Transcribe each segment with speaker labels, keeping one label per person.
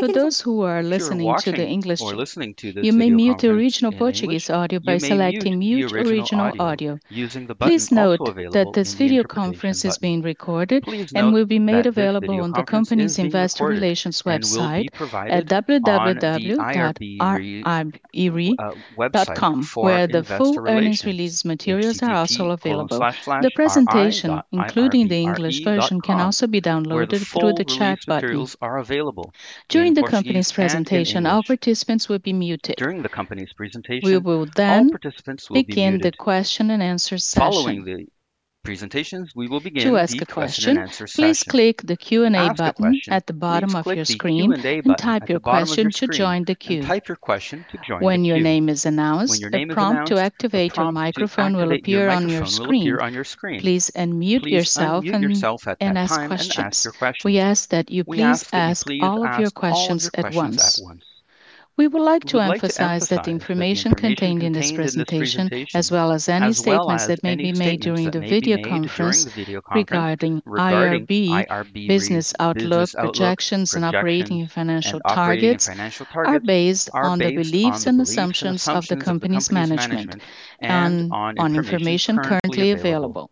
Speaker 1: For those who are listening to the English, you may mute the original Portuguese audio by selecting mute original audio. Please note that this video conference is being recorded and will be made available on the company's investor relations website at www.irbre.com where the full earnings release materials are also available. The presentation, including the English version, can also be downloaded through the chat button. During the company's presentation, all participants will be muted. We will begin the question and answer session. To ask a question, please click the Q&A button at the bottom of your screen and type your question to join the queue. When your name is announced, a prompt to activate your microphone will appear on your screen. Please unmute yourself and ask questions. We ask that you please ask all of your questions at once. We would like to emphasize that the information contained in this presentation, as well as any statements that may be made during the video conference regarding IRB business outlook, projections, and operating and financial targets, are based on the beliefs and assumptions of the company's management and on information currently available.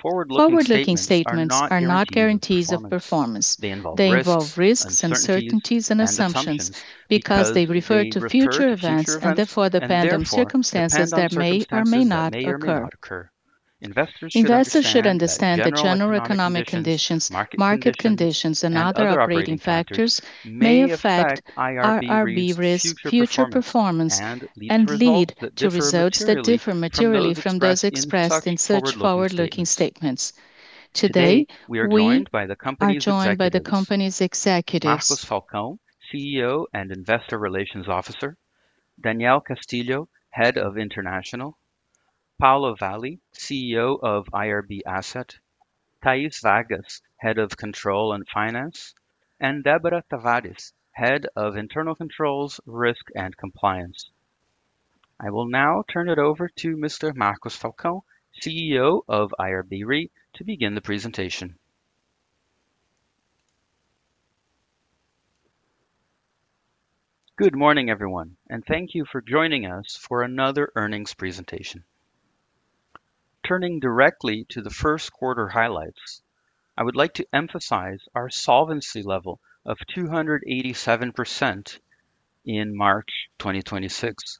Speaker 1: Forward-looking statements are not guarantees of performance. They involve risks, uncertainties, and assumptions because they refer to future events and therefore depend on circumstances that may or may not occur. Investors should understand that general economic conditions, market conditions, and other operating factors may affect IRB(Re)'s future performance and lead to results that differ materially from those expressed in such forward-looking statements. Today, we are joined by the company's executives. Marcos Falcão, CEO and Investor Relations Officer. Daniel Castillo, Head of International. Paulo Valle, CEO of IRB Asset. Thays Vargas, Head of Control and Finance, and Débora Tavares, Head of Internal Controls, Risks, and Compliance. I will now turn it over to Mr. Marcos Falcão, CEO of IRB(Re), to begin the presentation.
Speaker 2: Good morning, everyone, and thank you for joining us for another earnings presentation. Turning directly to the first quarter highlights, I would like to emphasize our solvency level of 287% in March 2026,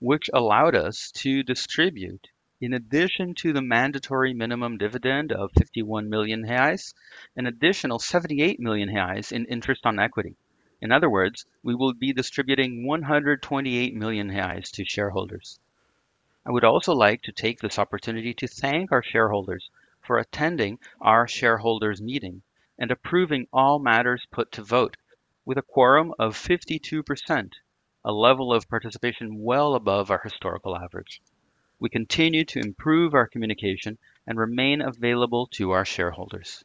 Speaker 2: which allowed us to distribute, in addition to the mandatory minimum dividend of 51 million reais, an additional 78 million reais in interest on equity. In other words, we will be distributing 128 million reais to shareholders. I would also like to take this opportunity to thank our shareholders for attending our shareholders meeting and approving all matters put to vote with a quorum of 52%, a level of participation well above our historical average. We continue to improve our communication and remain available to our shareholders.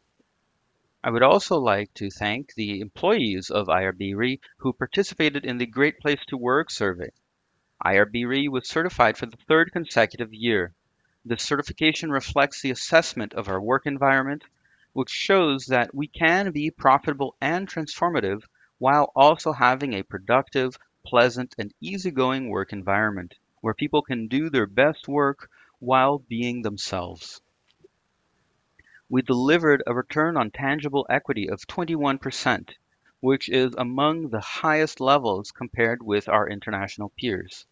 Speaker 2: I would also like to thank the employees of IRB(Re) who participated in the Great Place to Work survey. IRB(Re) was certified for the third consecutive year. This certification reflects the assessment of our work environment, which shows that we can be profitable and transformative while also having a productive, pleasant, and easygoing work environment where people can do their best work while being themselves. We delivered a return on tangible equity of 21%, which is among the highest levels compared with our international peers.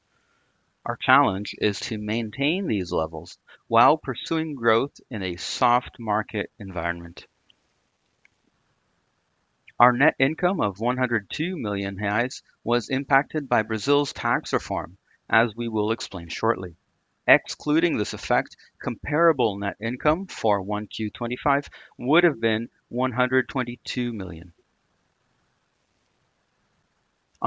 Speaker 2: Our challenge is to maintain these levels while pursuing growth in a soft market environment. Our net income of 102 million reais was impacted by Brazil's tax reform, as we will explain shortly. Excluding this effect, comparable net income for 1Q 2025 would have been BRL 122 million.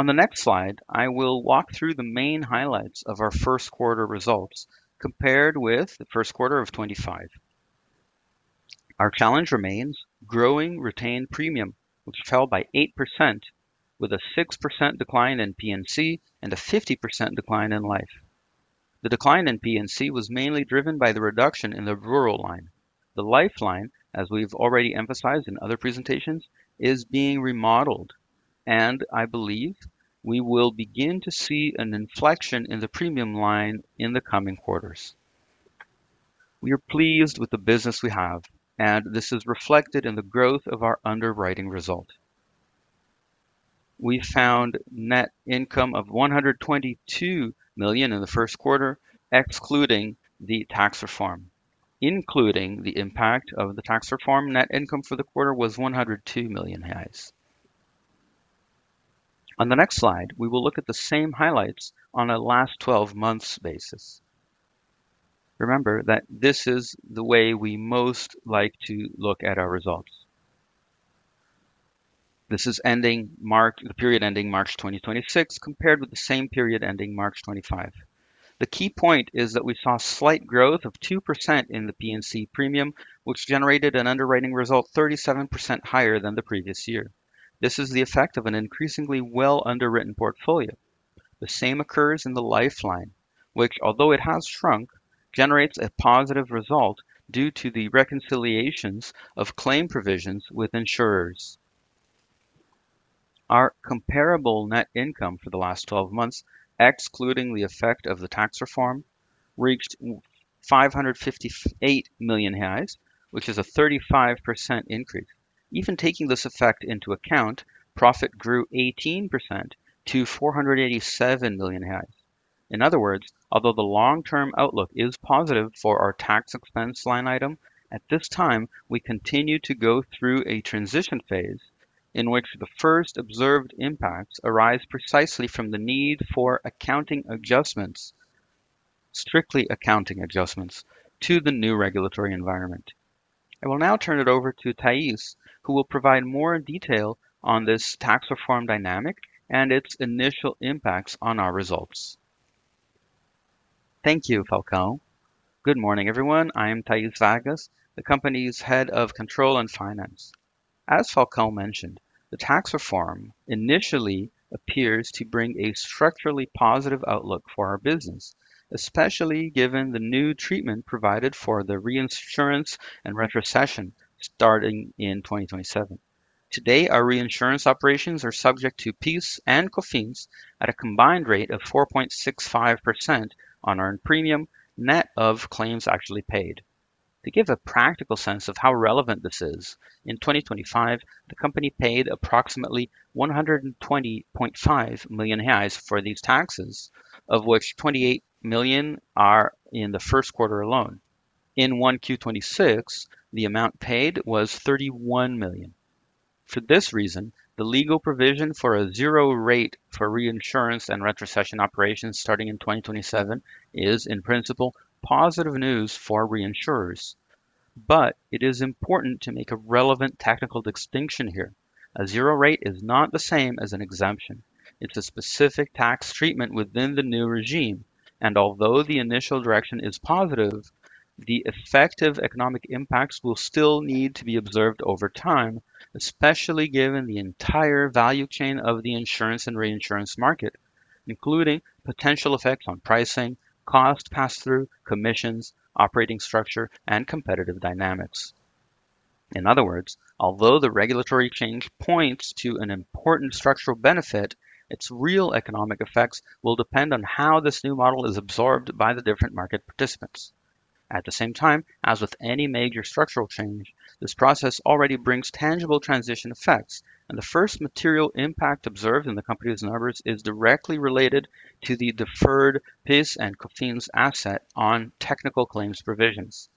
Speaker 2: On the next slide, I will walk through the main highlights of our first quarter results compared with the first quarter of 2025. Our challenge remains growing retained premium, which fell by 8% with a 6% decline in P&C and a 50% decline in life. The decline in P&C was mainly driven by the reduction in the rural line. The life line, as we've already emphasized in other presentations, is being remodeled, and I believe we will begin to see an inflection in the premium line in the coming quarters. We are pleased with the business we have, and this is reflected in the growth of our underwriting result. We found net income of 122 million in the first quarter, excluding the tax reform. Including the impact of the tax reform, net income for the quarter was 102 million. On the next slide, we will look at the same highlights on a last twelve months basis. Remember that this is the way we most like to look at our results. This is ending March, the period ending March 2026, compared with the same period ending March 2025. The key point is that we saw slight growth of 2% in the P&C premium, which generated an underwriting result 37% higher than the previous year. This is the effect of an increasingly well-underwritten portfolio. The same occurs in the lifeline, which although it has shrunk, generates a positive result due to the reconciliations of claim provisions with insurers. Our comparable net income for the last twelve months, excluding the effect of the tax reform, reached 558 million, which is a 35% increase. Even taking this effect into account, profit grew 18% to 487 million. In other words, although the long-term outlook is positive for our tax expense line item, at this time, we continue to go through a transition phase in which the first observed impacts arise precisely from the need for accounting adjustments, strictly accounting adjustments to the new regulatory environment. I will now turn it over to Thays, who will provide more detail on this tax reform dynamic and its initial impacts on our results.
Speaker 3: Thank you, Falcão. Good morning, everyone. I am Thays Vargas, the company's head of control and finance. As Falcão mentioned, the tax reform initially appears to bring a structurally positive outlook for our business, especially given the new treatment provided for the reinsurance and retrocession starting in 2027. Today, our reinsurance operations are subject to PIS and COFINS at a combined rate of 4.65% on earned premium net of claims actually paid. To give a practical sense of how relevant this is, in 2025, the company paid approximately 120.5 million reais for these taxes, of which 28 million are in the first quarter alone. In 1Q 2026, the amount paid was 31 million. For this reason, the legal provision for a zero rate for reinsurance and retrocession operations starting in 2027 is, in principle, positive news for reinsurers. It is important to make a relevant technical distinction here. A zero rate is not the same as an exemption. It's a specific tax treatment within the new regime. Although the initial direction is positive, the effective economic impacts will still need to be observed over time, especially given the entire value chain of the insurance and reinsurance market, including potential effects on pricing, cost pass-through, commissions, operating structure, and competitive dynamics. In other words, although the regulatory change points to an an important structural benefit, its real economic effects will depend on how this new model is absorbed by the different market participants. At the same time, as with any major structural change, this process already brings tangible transition effects, and the first material impact observed in the company's numbers is directly related to the deferred PIS and COFINS asset on technical claims provisions.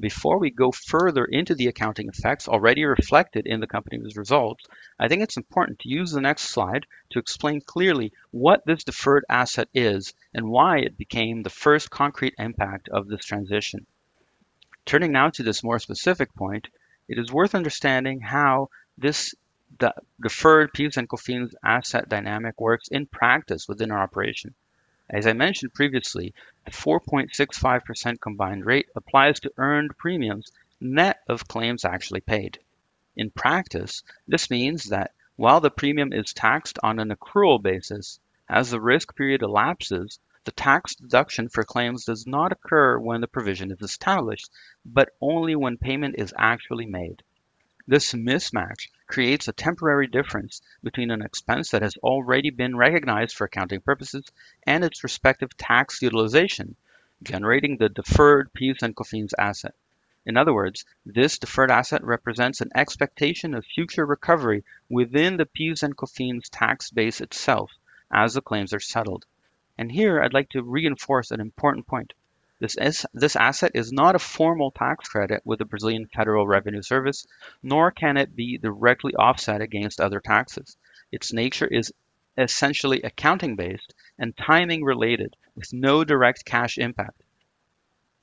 Speaker 3: Before we go further into the accounting effects already reflected in the company's results, I think it's important to use the next slide to explain clearly what this deferred asset is and why it became the first concrete impact of this transition. Turning now to this more specific point, it is worth understanding how this deferred PIS and COFINS asset dynamic works in practice within our operation. As I mentioned previously, a 4.65% combined rate applies to earned premiums net of claims actually paid. In practice, this means that while the premium is taxed on an accrual basis, as the risk period elapses, the tax deduction for claims does not occur when the provision is established, but only when payment is actually made. This mismatch creates a temporary difference between an expense that has already been recognized for accounting purposes and its respective tax utilization, generating the deferred PIS and COFINS asset. In other words, this deferred asset represents an expectation of future recovery within the PIS and COFINS tax base itself as the claims are settled. Here I'd like to reinforce an important point. This asset is not a formal tax credit with the Brazilian Federal Revenue Service, nor can it be directly offset against other taxes. Its nature is essentially accounting-based and timing-related with no direct cash impact.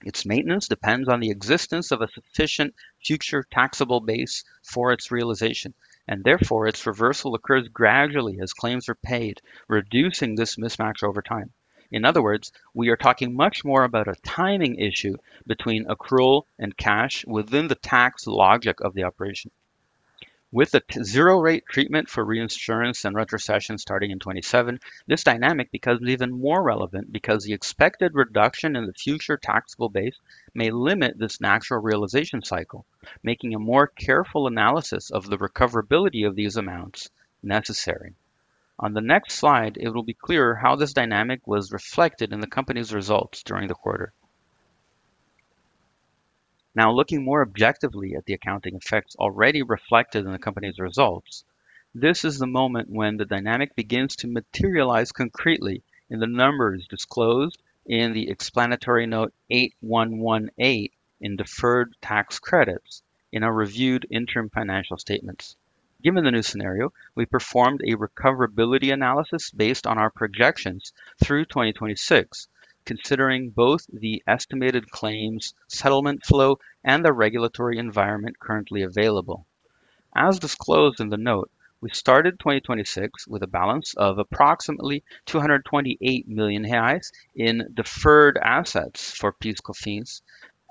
Speaker 3: Its maintenance depends on the existence of a sufficient future taxable base for its realization, and therefore, its reversal occurs gradually as claims are paid, reducing this mismatch over time. In other words, we are talking much more about a timing issue between accrual and cash within the tax logic of the operation. With the zero rate treatment for reinsurance and retrocession starting in 2027, this dynamic becomes even more relevant because the expected reduction in the future taxable base may limit this natural realization cycle, making a more careful analysis of the recoverability of these amounts necessary. On the next slide, it will be clear how this dynamic was reflected in the company's results during the quarter. Looking more objectively at the accounting effects already reflected in the company's results, this is the moment when the dynamic begins to materialize concretely in the numbers disclosed in the explanatory note 8118 in deferred tax credits in our reviewed interim financial statements. Given the new scenario, we performed a recoverability analysis based on our projections through 2026, considering both the estimated claims settlement flow and the regulatory environment currently available. As disclosed in the note, we started 2026 with a balance of approximately 228 million reais in deferred assets for PIS/COFINS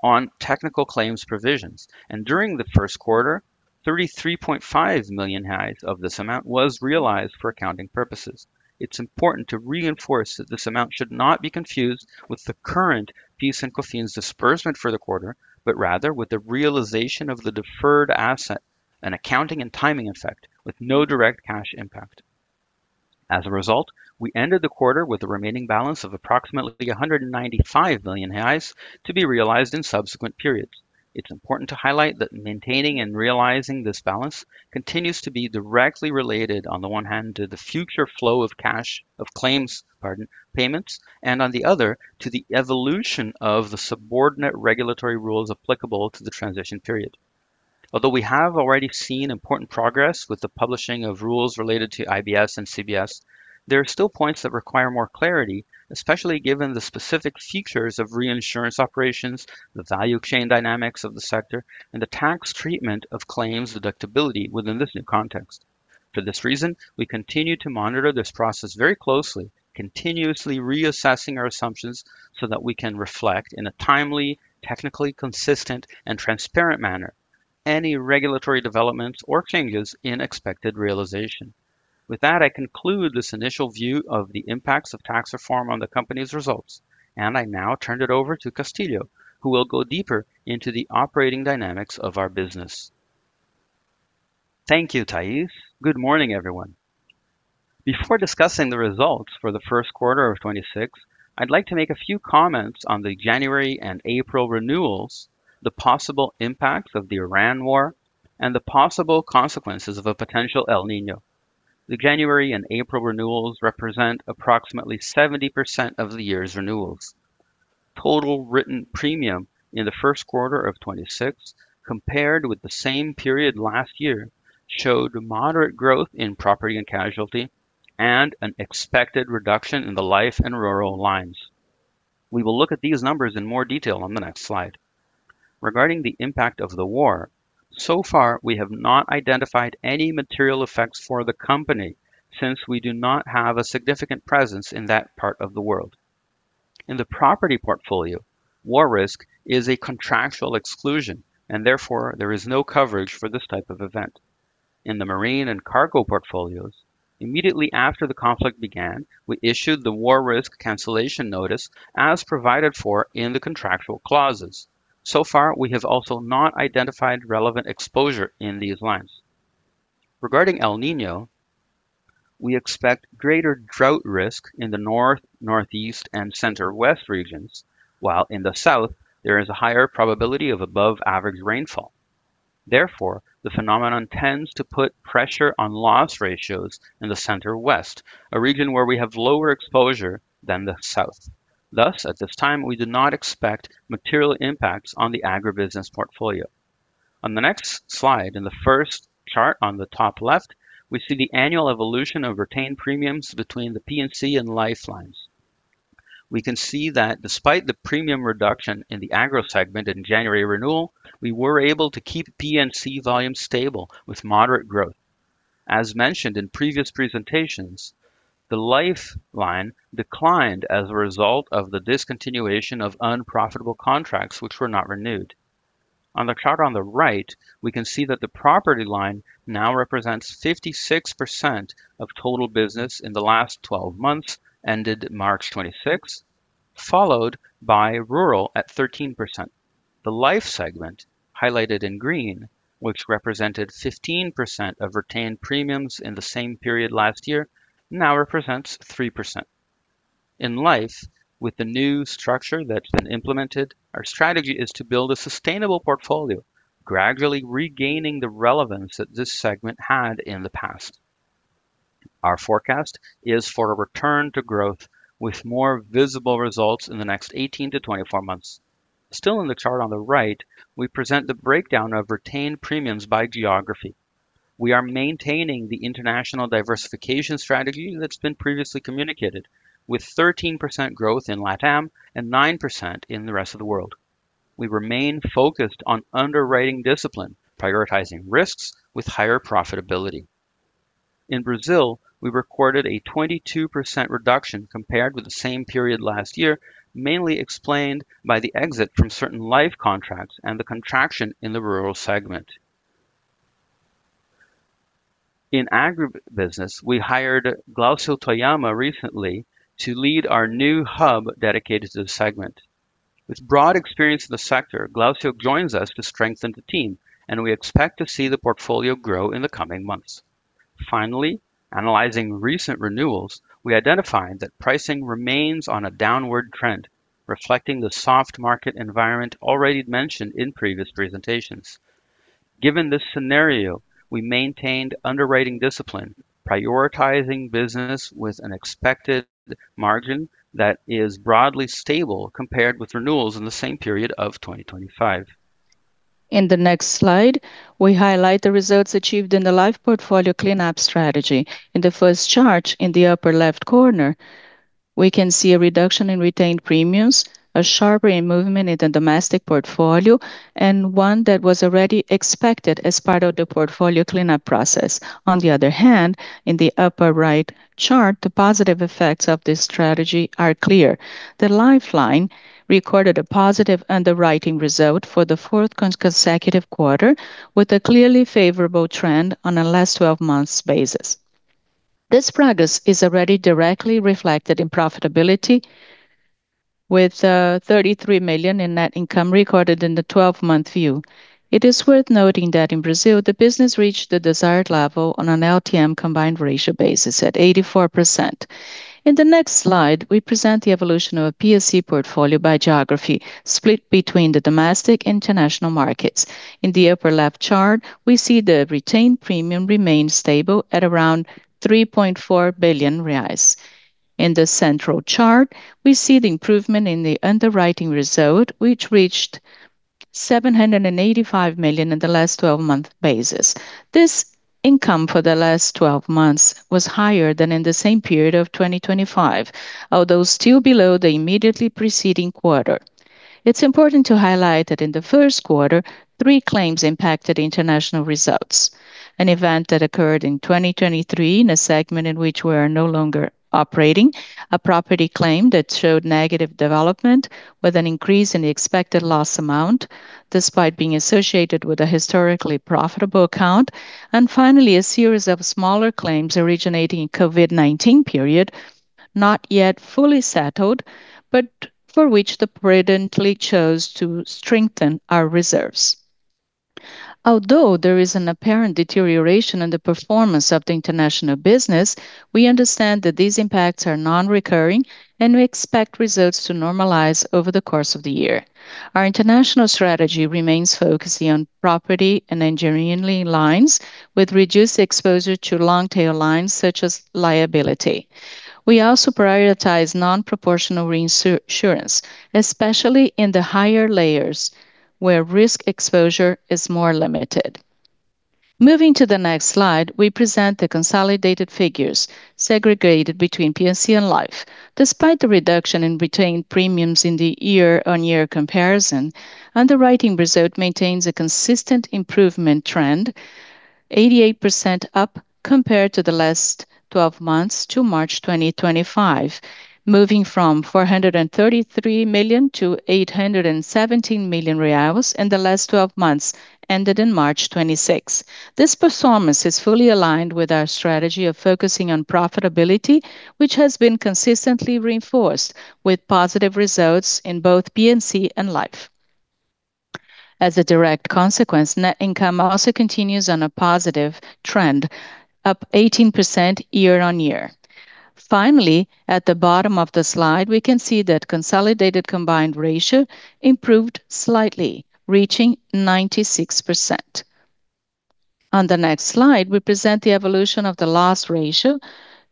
Speaker 3: on technical claims provisions. During the first quarter, 33.5 million of this amount was realized for accounting purposes. It's important to reinforce that this amount should not be confused with the current PIS/COFINS disbursement for the quarter, but rather with the realization of the deferred asset and accounting and timing effect with no direct cash impact. As a result, we ended the quarter with a remaining balance of approximately 195 million reais to be realized in subsequent periods. It's important to highlight that maintaining and realizing this balance continues to be directly related, on the one hand, to the future flow of claims, pardon, payments, and on the other, to the evolution of the subordinate regulatory rules applicable to the transition period. We have already seen important progress with the publishing of rules related to IBS and CBS, there are still points that require more clarity, especially given the specific features of reinsurance operations, the value chain dynamics of the sector, and the tax treatment of claims deductibility within this new context. For this reason, we continue to monitor this process very closely, continuously reassessing our assumptions so that we can reflect in a timely, technically consistent, and transparent manner any regulatory developments or changes in expected realization. With that, I conclude this initial view of the impacts of tax reform on the company's results, and I now turn it over to Castillo, who will go deeper into the operating dynamics of our business.
Speaker 4: Thank you, Thays. Good morning, everyone. Before discussing the results for the first quarter of 2026, I'd like to make a few comments on the January and April renewals, the possible impacts of the Iran war, and the possible consequences of a potential El Niño. The January and April renewals represent approximately 70% of the year's renewals. Total written premium in the first quarter of 2026 compared with the same period last year showed moderate growth in property and casualty and an expected reduction in the life and rural lines. We will look at these numbers in more detail on the next slide. Regarding the impact of the war, so far, we have not identified any material effects for the company since we do not have a significant presence in that part of the world. In the property portfolio, war risk is a contractual exclusion, and therefore, there is no coverage for this type of event. In the marine and cargo portfolios, immediately after the conflict began, we issued the war risk cancellation notice as provided for in the contractual clauses. So far, we have also not identified relevant exposure in these lines. Regarding El Niño, we expect greater drought risk in the north, northeast, and center west regions. While in the south, there is a higher probability of above-average rainfall. The phenomenon tends to put pressure on loss ratios in the center west, a region where we have lower exposure than the south. Thus, at this time, we do not expect material impacts on the agribusiness portfolio. On the next slide, in the first chart on the top left, we see the annual evolution of retained premiums between the P&C and life lines. We can see that despite the premium reduction in the agro segment in January renewal, we were able to keep P&C volume stable with moderate growth. As mentioned in previous presentations, the life line declined as a result of the discontinuation of unprofitable contracts which were not renewed. On the chart on the right, we can see that the property line now represents 56% of total business in the last 12 months, ended March 26th, followed by rural at 13%. The life segment, highlighted in green, which represented 15% of retained premiums in the same period last year, now represents 3%. In life, with the new structure that has been implemented, our strategy is to build a sustainable portfolio, gradually regaining the relevance that this segment had in the past. Our forecast is for a return to growth with more visible results in the next 18 to 24 months. Still in the chart on the right, we present the breakdown of retained premiums by geography. We are maintaining the international diversification strategy that has been previously communicated, with 13% growth in LATAM and 9% in the rest of the world. We remain focused on underwriting discipline, prioritizing risks with higher profitability. In Brazil, we recorded a 22% reduction compared with the same period last year, mainly explained by the exit from certain life contracts and the contraction in the rural segment. In agribusiness, we hired Glaucio Toyama recently to lead our new hub dedicated to the segment. With broad experience in the sector, Glaucio joins us to strengthen the team, and we expect to see the portfolio grow in the coming months. Finally, analyzing recent renewals, we identified that pricing remains on a downward trend, reflecting the soft market environment already mentioned in previous presentations. Given this scenario, we maintained underwriting discipline, prioritizing business with an expected margin that is broadly stable compared with renewals in the same period of 2025. In the next slide, we highlight the results achieved in the life portfolio cleanup strategy. In the first chart in the upper left corner, we can see a reduction in retained premiums, a sharp re-movement in the domestic portfolio, and one that was already expected as part of the portfolio cleanup process. On the other hand, in the upper right chart, the positive effects of this strategy are clear. The lifeline recorded a positive underwriting result for the fourth consecutive quarter with a clearly favorable trend on a last 12 months basis. This progress is already directly reflected in profitability with 33 million in net income recorded in the 12-month view. It is worth noting that in Brazil, the business reached the desired level on an LTM combined ratio basis at 84%. In the next slide, we present the evolution of a P&C portfolio by geography, split between the domestic international markets. In the upper left chart, we see the retained premium remains stable at around 3.4 billion reais. In the central chart, we see the improvement in the underwriting result, which reached 785 million in the LTM basis. This income for the LTM was higher than in the same period of 2025, although still below the immediately preceding quarter. It's important to highlight that in the first quarter, three claims impacted International results. An event that occurred in 2023 in a segment in which we are no longer operating, a property claim that showed negative development with an increase in the expected loss amount despite being associated with a historically profitable account, and finally, a series of smaller claims originating in COVID-19 period, not yet fully settled, but for which the prudently chose to strengthen our reserves. Although there is an apparent deterioration in the performance of the International business, we understand that these impacts are non-recurring, and we expect results to normalize over the course of the year. Our international strategy remains focusing on property and engineering lines with reduced exposure to long tail lines such as liability. We also prioritize non-proportional reinsurance, especially in the higher layers where risk exposure is more limited. Moving to the next slide, we present the consolidated figures segregated between P&C and life. Despite the reduction in retained premiums in the year-over-year comparison, underwriting result maintains a consistent improvement trend, 88% up compared to the last 12 months to March 2025, moving from 433 million to 817 million reais in the last 12 months ended in March 2026. This performance is fully aligned with our strategy of focusing on profitability, which has been consistently reinforced with positive results in both P&C and life. As a direct consequence, net income also continues on a positive trend, up 18% year-over-year. Finally, at the bottom of the slide, we can see that consolidated combined ratio improved slightly, reaching 96%. On the next slide, we present the evolution of the loss ratio,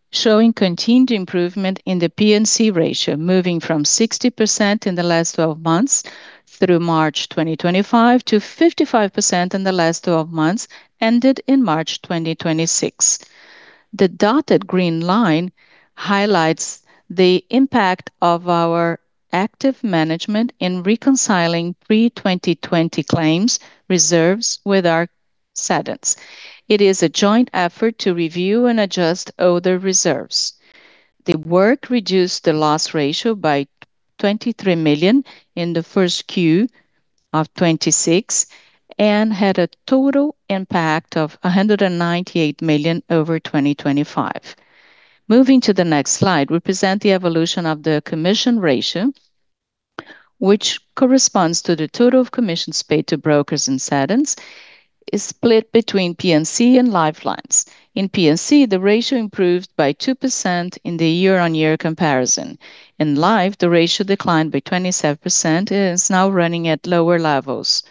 Speaker 4: showing continued improvement in the P&C ratio, moving from 60% in the last 12 months through March 2025 to 55% in the last 12 months ended in March 2026. The dotted green line highlights the impact of our active management in reconciling pre-2020 claims reserves with our cedents. It is a joint effort to review and adjust other reserves. The work reduced the loss ratio by 23 million in the 1Q 2026 and had a total impact of 198 million over 2025. Moving to the next slide, we present the evolution of the commission ratio, which corresponds to the total of commissions paid to brokers and cedents is split between P&C and lifelines. In P&C, the ratio improved by 2% in the year-over-year comparison. In life, the ratio declined by 27% and is now running at lower levels.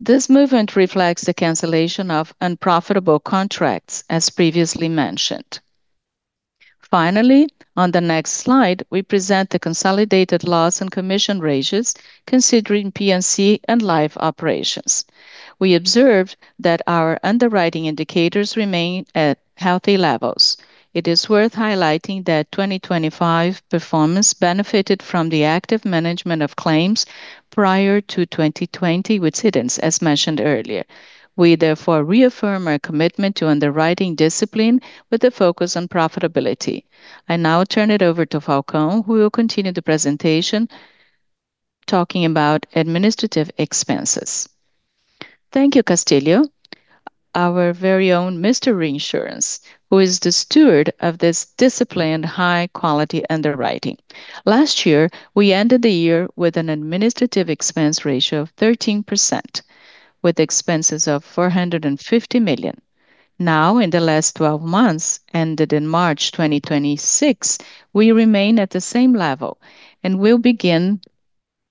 Speaker 4: This movement reflects the cancellation of unprofitable contracts as previously mentioned. Finally, on the next slide, we present the consolidated loss and commission ratios considering P&C and life operations. We observed that our underwriting indicators remain at healthy levels. It is worth highlighting that 2025 performance benefited from the active management of claims prior to 2020 with cedants, as mentioned earlier. We therefore reaffirm our commitment to underwriting discipline with a focus on profitability. I now turn it over to Falcão, who will continue the presentation talking about administrative expenses.
Speaker 2: Thank you, Castillo, our very own Mr. Reinsurance, who is the steward of this disciplined high quality underwriting. Last year, we ended the year with an administrative expense ratio of 13%, with expenses of 450 million. In the last 12 months ended in March 2026, we remain at the same level and will begin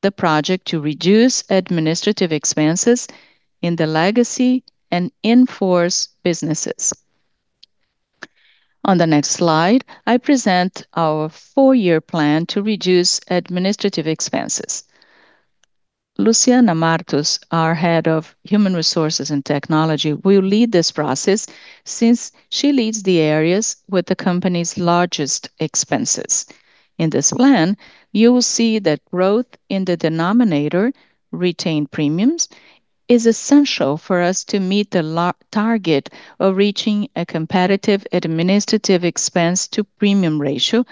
Speaker 2: the project to reduce administrative expenses in the legacy and enforce businesses. On the next slide, I present our four-year plan to reduce administrative expenses. Luciana Martos, our Head of Human Resources and Technology, will lead this process since she leads the areas with the company's largest expenses. In this plan, you will see that growth in the denominator, retained premiums, is essential for us to meet the target of reaching a competitive administrative expense to premium ratio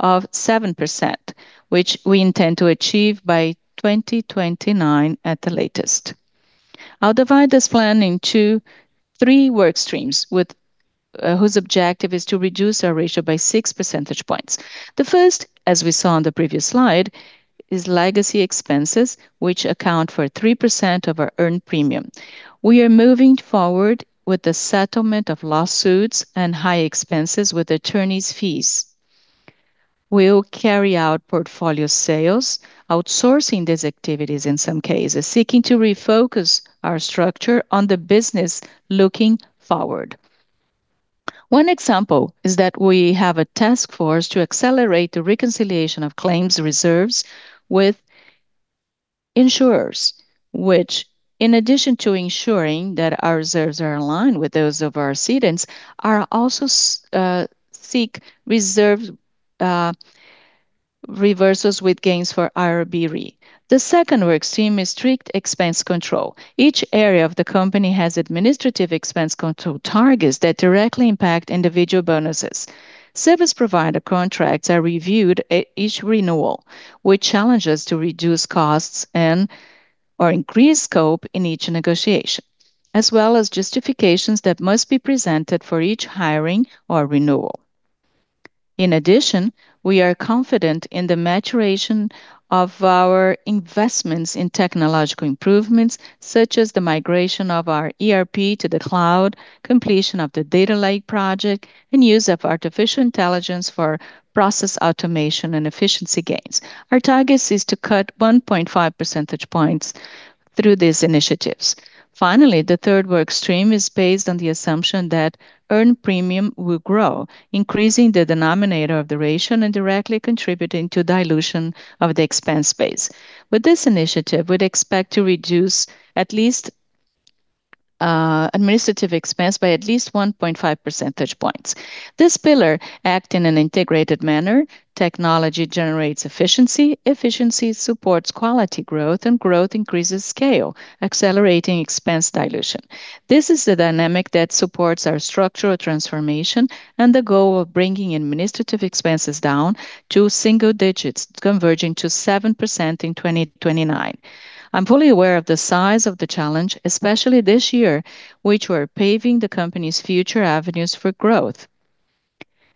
Speaker 2: of 7%, which we intend to achieve by 2029 at the latest. I'll divide this plan into three work streams with whose objective is to reduce our ratio by 6 percentage points. The first, as we saw on the previous slide, is legacy expenses, which account for 3% of our earned premium. We are moving forward with the settlement of lawsuits and high expenses with attorneys' fees. We'll carry out portfolio sales, outsourcing these activities in some cases, seeking to refocus our structure on the business looking forward. One example is that we have a task force to accelerate the reconciliation of claims reserves with insurers, which in addition to ensuring that our reserves are aligned with those of our cedents, are also seek reserve reversals with gains for IRB(Re). The second work stream is strict expense control. Each area of the company has administrative expense control targets that directly impact individual bonuses. Service provider contracts are reviewed at each renewal, with challenges to reduce costs and/or increase scope in each negotiation, as well as justifications that must be presented for each hiring or renewal. In addition, we are confident in the maturation of our investments in technological improvements such as the migration of our ERP to the cloud, completion of the data lake project, and use of artificial intelligence for process automation and efficiency gains. Our target is to cut 1.5 percentage points through these initiatives. Finally, the third work stream is based on the assumption that earned premium will grow, increasing the denominator of the ratio and directly contributing to dilution of the expense base. With this initiative, we'd expect to reduce at least administrative expense by at least 1.5 percentage points. This pillar act in an integrated manner. Technology generates efficiency. Efficiency supports quality growth increases scale, accelerating expense dilution. This is the dynamic that supports our structural transformation and the goal of bringing administrative expenses down to single digits, converging to 7% in 2029. I'm fully aware of the size of the challenge, especially this year, which we're paving the company's future avenues for growth.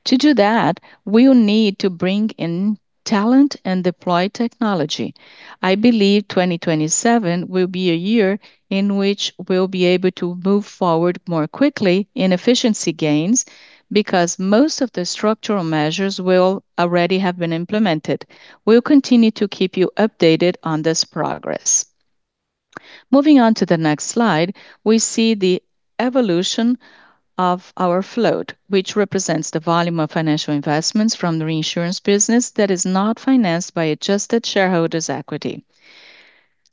Speaker 2: To do that, we will need to bring in talent and deploy technology. I believe 2027 will be a year in which we'll be able to move forward more quickly in efficiency gains because most of the structural measures will already have been implemented. We'll continue to keep you updated on this progress. Moving on to the next slide, we see the evolution of our float, which represents the volume of financial investments from the reinsurance business that is not financed by adjusted shareholders' equity.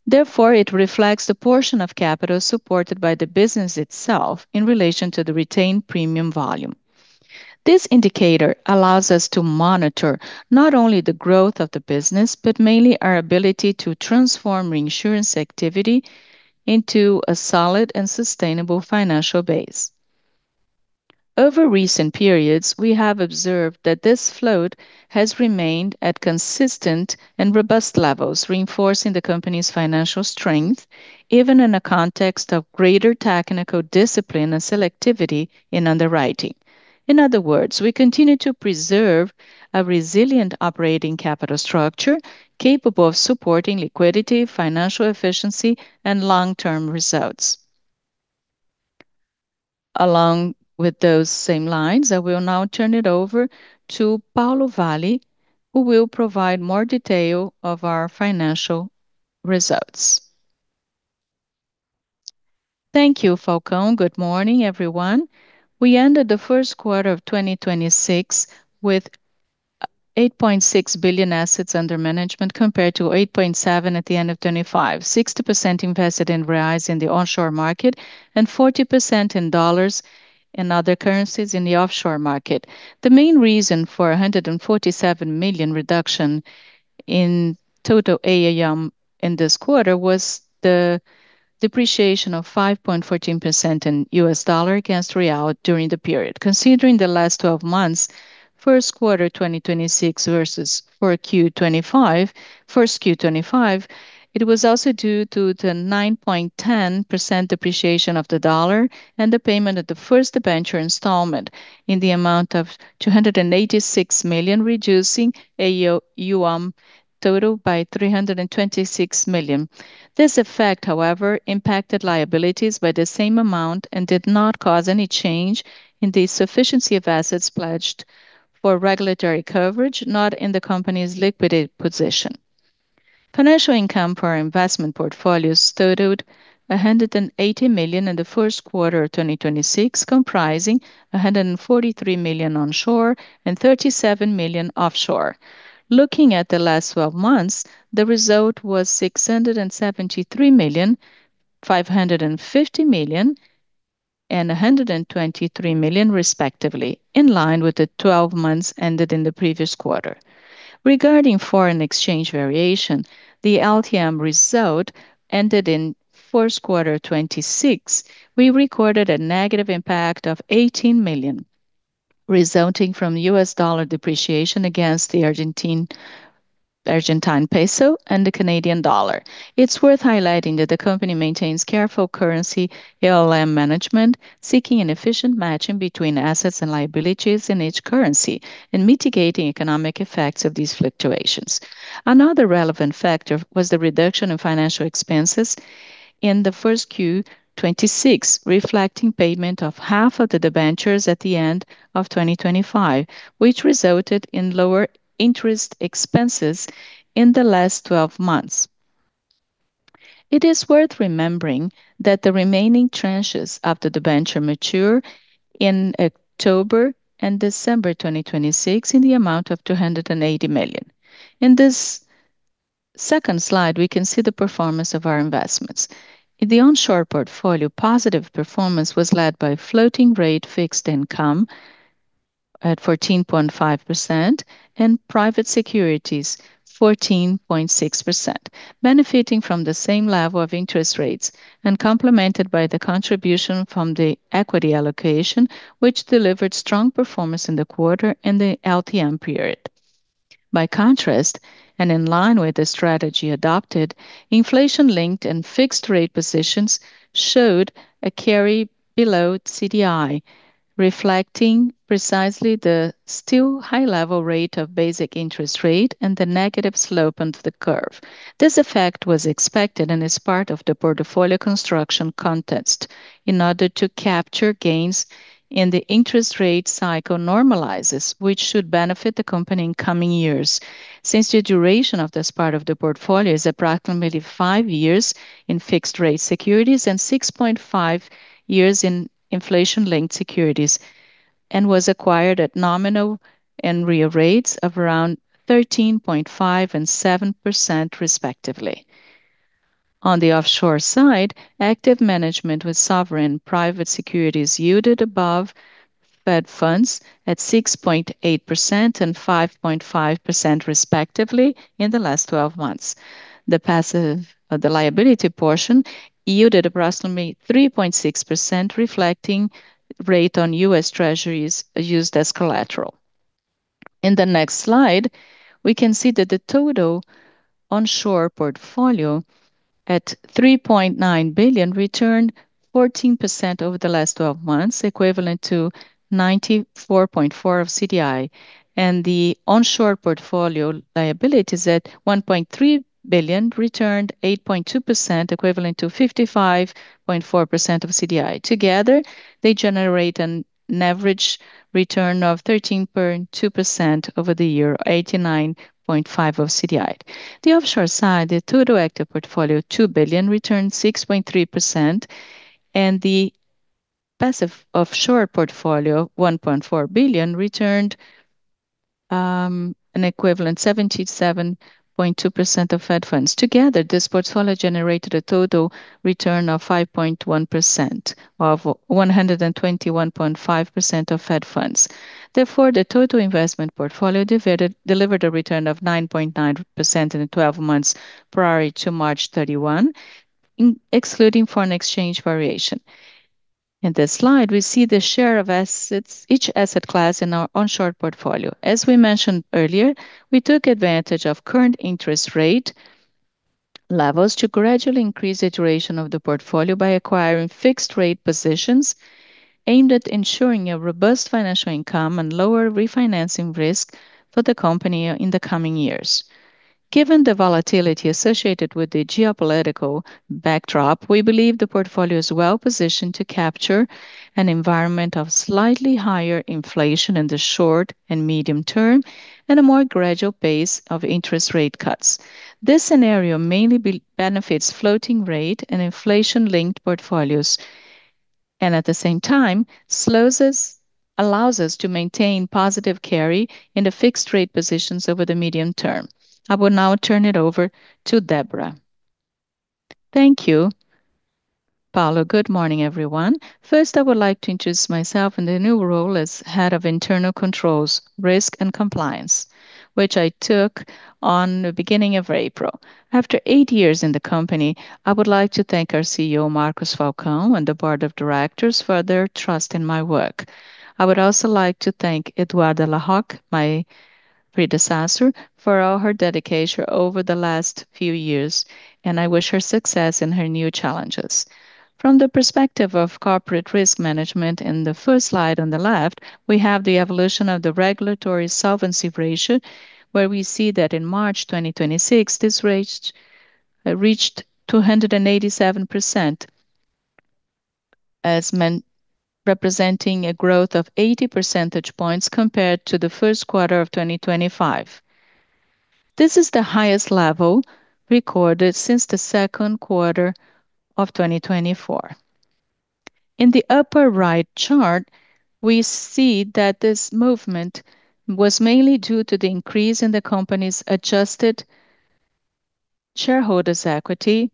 Speaker 2: Therefore, it reflects the portion of capital supported by the business itself in relation to the retained premium volume. This indicator allows us to monitor not only the growth of the business, but mainly our ability to transform reinsurance activity into a solid and sustainable financial base. Over recent periods, we have observed that this float has remained at consistent and robust levels, reinforcing the company's financial strength, even in a context of greater technical discipline and selectivity in underwriting. In other words, we continue to preserve a resilient operating capital structure capable of supporting liquidity, financial efficiency, and long-term results. Along with those same lines, I will now turn it over to Paulo Valle, who will provide more detail of our financial results.
Speaker 5: Thank you, Falcão. Good morning, everyone. We ended the first quarter of 2026 with 8.6 billion assets under management compared to 8.7 at the end of 2025. 60% invested in BRL in the onshore market and 40% in dollars in other currencies in the offshore market. The main reason for a 147 million reduction in total AUM in this quarter was the depreciation of 5.14% in U.S. dollar against BRL during the period. Considering the last 12 months, first quarter 2026 versus 1Q 2025, it was also due to the 9.10% depreciation of the U.S. dollar and the payment of the first debenture installment in the amount of 286 million, reducing AUM total by 326 million. This effect, however, impacted liabilities by the same amount and did not cause any change in the sufficiency of assets pledged for regulatory coverage, nor in the company's liquidity position. Financial income for our investment portfolios totaled 180 million in the first quarter of 2026, comprising 143 million onshore and 37 million offshore. Looking at the last 12 months, the result was 673 million, 550 million, and 123 million respectively, in line with the 12 months ended in the previous quarter. Regarding foreign exchange variation, the LTM result ended in first quarter 2026, we recorded a negative impact of 18 million. Resulting from the U.S. dollar depreciation against the Argentine peso and the Canadian dollar. It's worth highlighting that the company maintains careful currency ALM management, seeking an efficient match in between assets and liabilities in each currency, and mitigating economic effects of these fluctuations. Another relevant factor was the reduction in financial expenses in the first Q 26, reflecting payment of half of the debentures at the end of 2025, which resulted in lower interest expenses in the last 12 months. It is worth remembering that the remaining tranches of the debenture mature in October and December 2026 in the amount of 280 million. In this second slide, we can see the performance of our investments. In the onshore portfolio, positive performance was led by floating rate fixed income at 14.5% and private securities, 14.6%, benefiting from the same level of interest rates and complemented by the contribution from the equity allocation, which delivered strong performance in the quarter and the LTM period. In line with the strategy adopted, inflation-linked and fixed-rate positions showed a carry below CDI, reflecting precisely the still high-level rate of basic interest rate and the negative slope into the curve. This effect was expected and is part of the portfolio construction context in order to capture gains in the interest rate cycle normalizes, which should benefit the company in coming years since the duration of this part of the portfolio is approximately five years in fixed rate securities and 6.5 years in inflation-linked securities, and was acquired at nominal and real rates of around 13.5% and 7% respectively. On the offshore side, active management with sovereign private securities yielded above Fed funds at 6.8% and 5.5% respectively in the last 12 months. The passive, the liability portion yielded approximately 3.6%, reflecting rate on US Treasuries used as collateral. In the next slide, we can see that the total onshore portfolio at 3.9 billion returned 14% over the last 12 months, equivalent to 94.4% of CDI. The onshore portfolio liabilities at 1.3 billion returned 8.2%, equivalent to 55.4% of CDI. Together, they generate an average return of 13.2% over the year, 89.5% of CDI. The offshore side, the total active portfolio, 2 billion, returned 6.3%, and the passive offshore portfolio, 1.4 billion, returned an equivalent 77.2% of Fed funds. Together, this portfolio generated a total return of 5.1% of 121.5% of Fed funds. The total investment portfolio delivered a return of 9.9% in the 12 months prior to March 31, excluding foreign exchange variation. In this slide, we see the share of assets, each asset class in our onshore portfolio. As we mentioned earlier, we took advantage of current interest rate levels to gradually increase the duration of the portfolio by acquiring fixed rate positions aimed at ensuring a robust financial income and lower refinancing risk for the company in the coming years. Given the volatility associated with the geopolitical backdrop, we believe the portfolio is well-positioned to capture an environment of slightly higher inflation in the short and medium term and a more gradual pace of interest rate cuts. This scenario mainly benefits floating rate and inflation-linked portfolios and, at the same time, allows us to maintain positive carry in the fixed-rate positions over the medium term. I will now turn it over to Débora.
Speaker 6: Thank you, Paulo. Good morning, everyone. First, I would like to introduce myself in the new role as Head of Internal Controls, Risk and Compliance, which I took on the beginning of April. After eight years in the company, I would like to thank our CEO, Marcos Falcão, and the Board of Directors for their trust in my work. I would also like to thank Eduarda La Rocque, my predecessor, for all her dedication over the last few years, and I wish her success in her new challenges. From the perspective of corporate risk management, in the first slide on the left, we have the evolution of the regulatory solvency ratio, where we see that in March 2026, this reached 287%, representing a growth of 80 percentage points compared to the first quarter of 2025. This is the highest level recorded since the second quarter of 2024. In the upper-right chart, we see that this movement was mainly due to the increase in the company's adjusted shareholders' equity,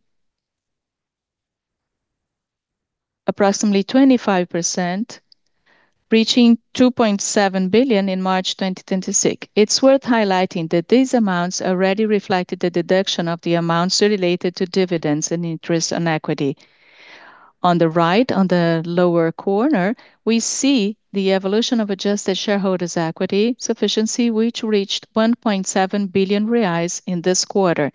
Speaker 6: approximately 25%, reaching 2.7 billion in March 2026. It's worth highlighting that these amounts already reflected the deduction of the amounts related to dividends and interest on equity. On the right, on the lower corner, we see the evolution of adjusted shareholders' equity sufficiency, which reached 1.7 billion reais in this quarter.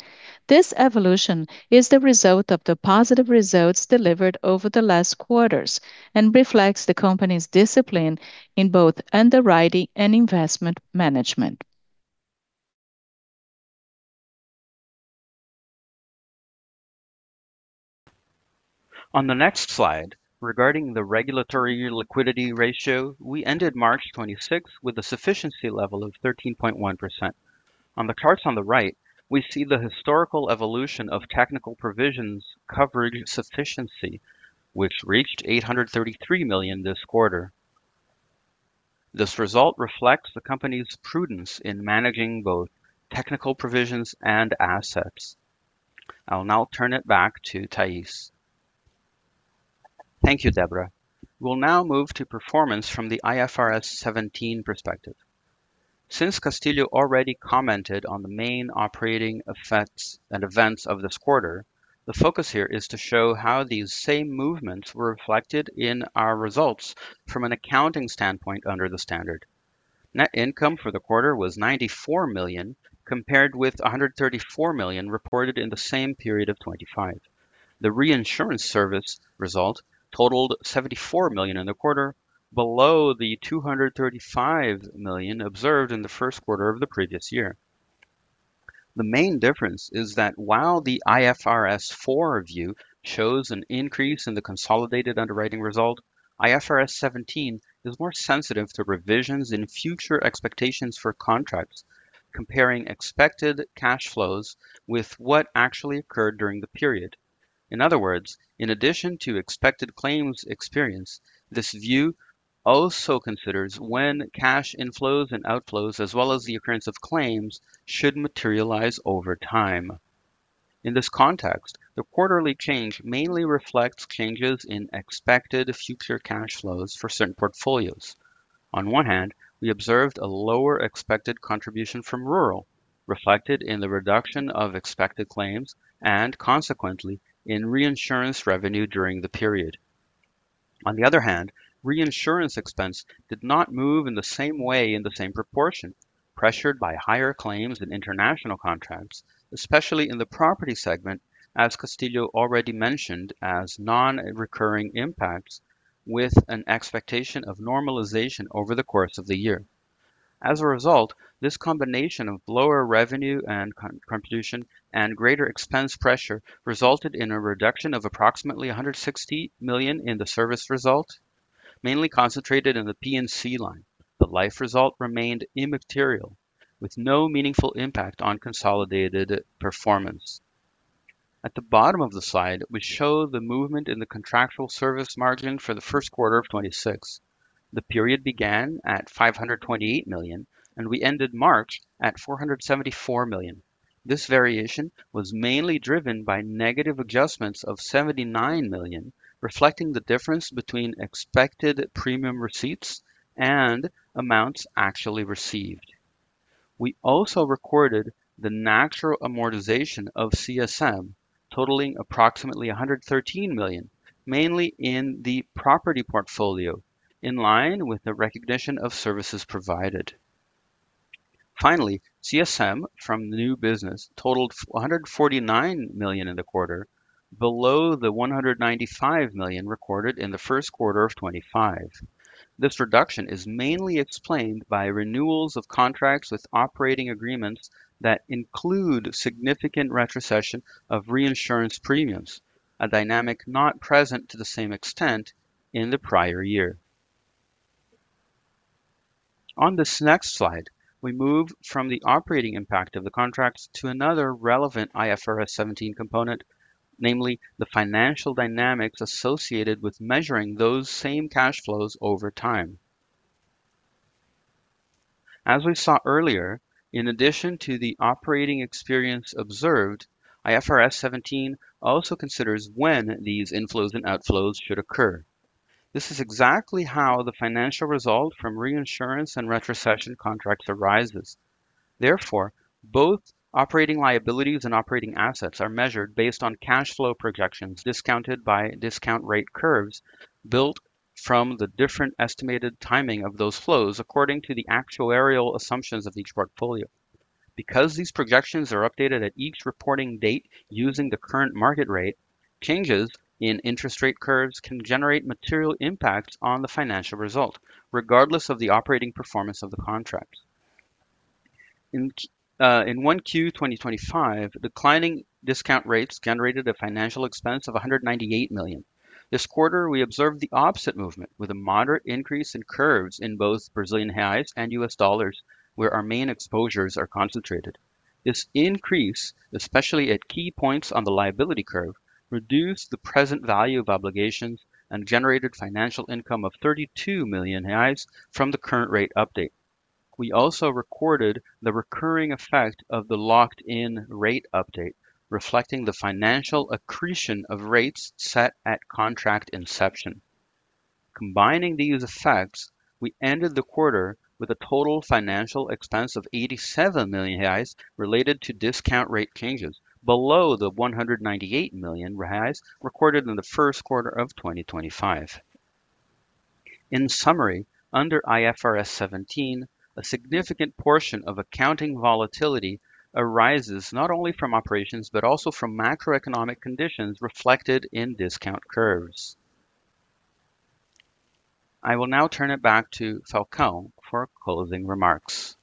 Speaker 6: This evolution is the result of the positive results delivered over the last quarters and reflects the company's discipline in both underwriting and investment management. On the next slide, regarding the regulatory liquidity ratio, we ended March 26th with a sufficiency level of 13.1%. On the charts on the right, we see the historical evolution of technical provisions coverage sufficiency, which reached 833 million this quarter. This result reflects the company's prudence in managing both technical provisions and assets. I'll now turn it back to Thays.
Speaker 3: Thank you, Débora. We'll now move to performance from the IFRS 17 perspective. Since Castillo already commented on the main operating effects and events of this quarter, the focus here is to show how these same movements were reflected in our results from an accounting standpoint under the standard. Net income for the quarter was 94 million, compared with 134 million reported in the same period of 2025. The reinsurance service result totaled 74 million in the quarter below the 235 million observed in the first quarter of the previous year. The main difference is that while the IFRS 4 view shows an increase in the consolidated underwriting result, IFRS 17 is more sensitive to revisions in future expectations for contracts, comparing expected cash flows with what actually occurred during the period. In other words, in addition to expected claims experience, this view also considers when cash inflows and outflows, as well as the occurrence of claims, should materialize over time. In this context, the quarterly change mainly reflects changes in expected future cash flows for certain portfolios. On one hand, we observed a lower expected contribution from rural, reflected in the reduction of expected claims and consequently in reinsurance revenue during the period. On the other hand, reinsurance expense did not move in the same way in the same proportion, pressured by higher claims in international contracts, especially in the property segment, as Castillo already mentioned as non-recurring impacts with an expectation of normalization over the course of the year. This combination of lower revenue and contribution and greater expense pressure resulted in a reduction of approximately 160 million in the service result, mainly concentrated in the P&C line. The life result remained immaterial, with no meaningful impact on consolidated performance. At the bottom of the slide, we show the movement in the contractual service margin for the first quarter of 2026. The period began at 528 million, and we ended March at 474 million. This variation was mainly driven by negative adjustments of 79 million, reflecting the difference between expected premium receipts and amounts actually received. We also recorded the natural amortization of CSM, totaling approximately 113 million, mainly in the property portfolio, in line with the recognition of services provided. Finally, CSM from new business totaled 449 million in the quarter below the 195 million recorded in the first quarter of 2025. This reduction is mainly explained by renewals of contracts with operating agreements that include significant retrocession of reinsurance premiums, a dynamic not present to the same extent in the prior year. On this next slide, we move from the operating impact of the contracts to another relevant IFRS 17 component, namely the financial dynamics associated with measuring those same cash flows over time. As we saw earlier, in addition to the operating experience observed, IFRS 17 also considers when these inflows and outflows should occur. This is exactly how the financial result from reinsurance and retrocession contracts arises. Therefore, both operating liabilities and operating assets are measured based on cash flow projections discounted by discount rate curves built from the different estimated timing of those flows according to the actuarial assumptions of each portfolio. Because these projections are updated at each reporting date using the current market rate, changes in interest rate curves can generate material impacts on the financial result regardless of the operating performance of the contracts. In 1Q 2025, declining discount rates generated a financial expense of 198 million. This quarter, we observed the opposite movement with a moderate increase in curves in both BRL and USD, where our main exposures are concentrated. This increase, especially at key points on the liability curve, reduced the present value of obligations and generated financial income of 32 million reais from the current rate update. We also recorded the recurring effect of the locked-in rate update, reflecting the financial accretion of rates set at contract inception. Combining these effects, we ended the quarter with a total financial expense of 87 million reais related to discount rate changes, below the 198 million reais recorded in the first quarter of 2025. In summary, under IFRS 17, a significant portion of accounting volatility arises not only from operations but also from macroeconomic conditions reflected in discount curves. I will now turn it back to Falcão for closing remarks.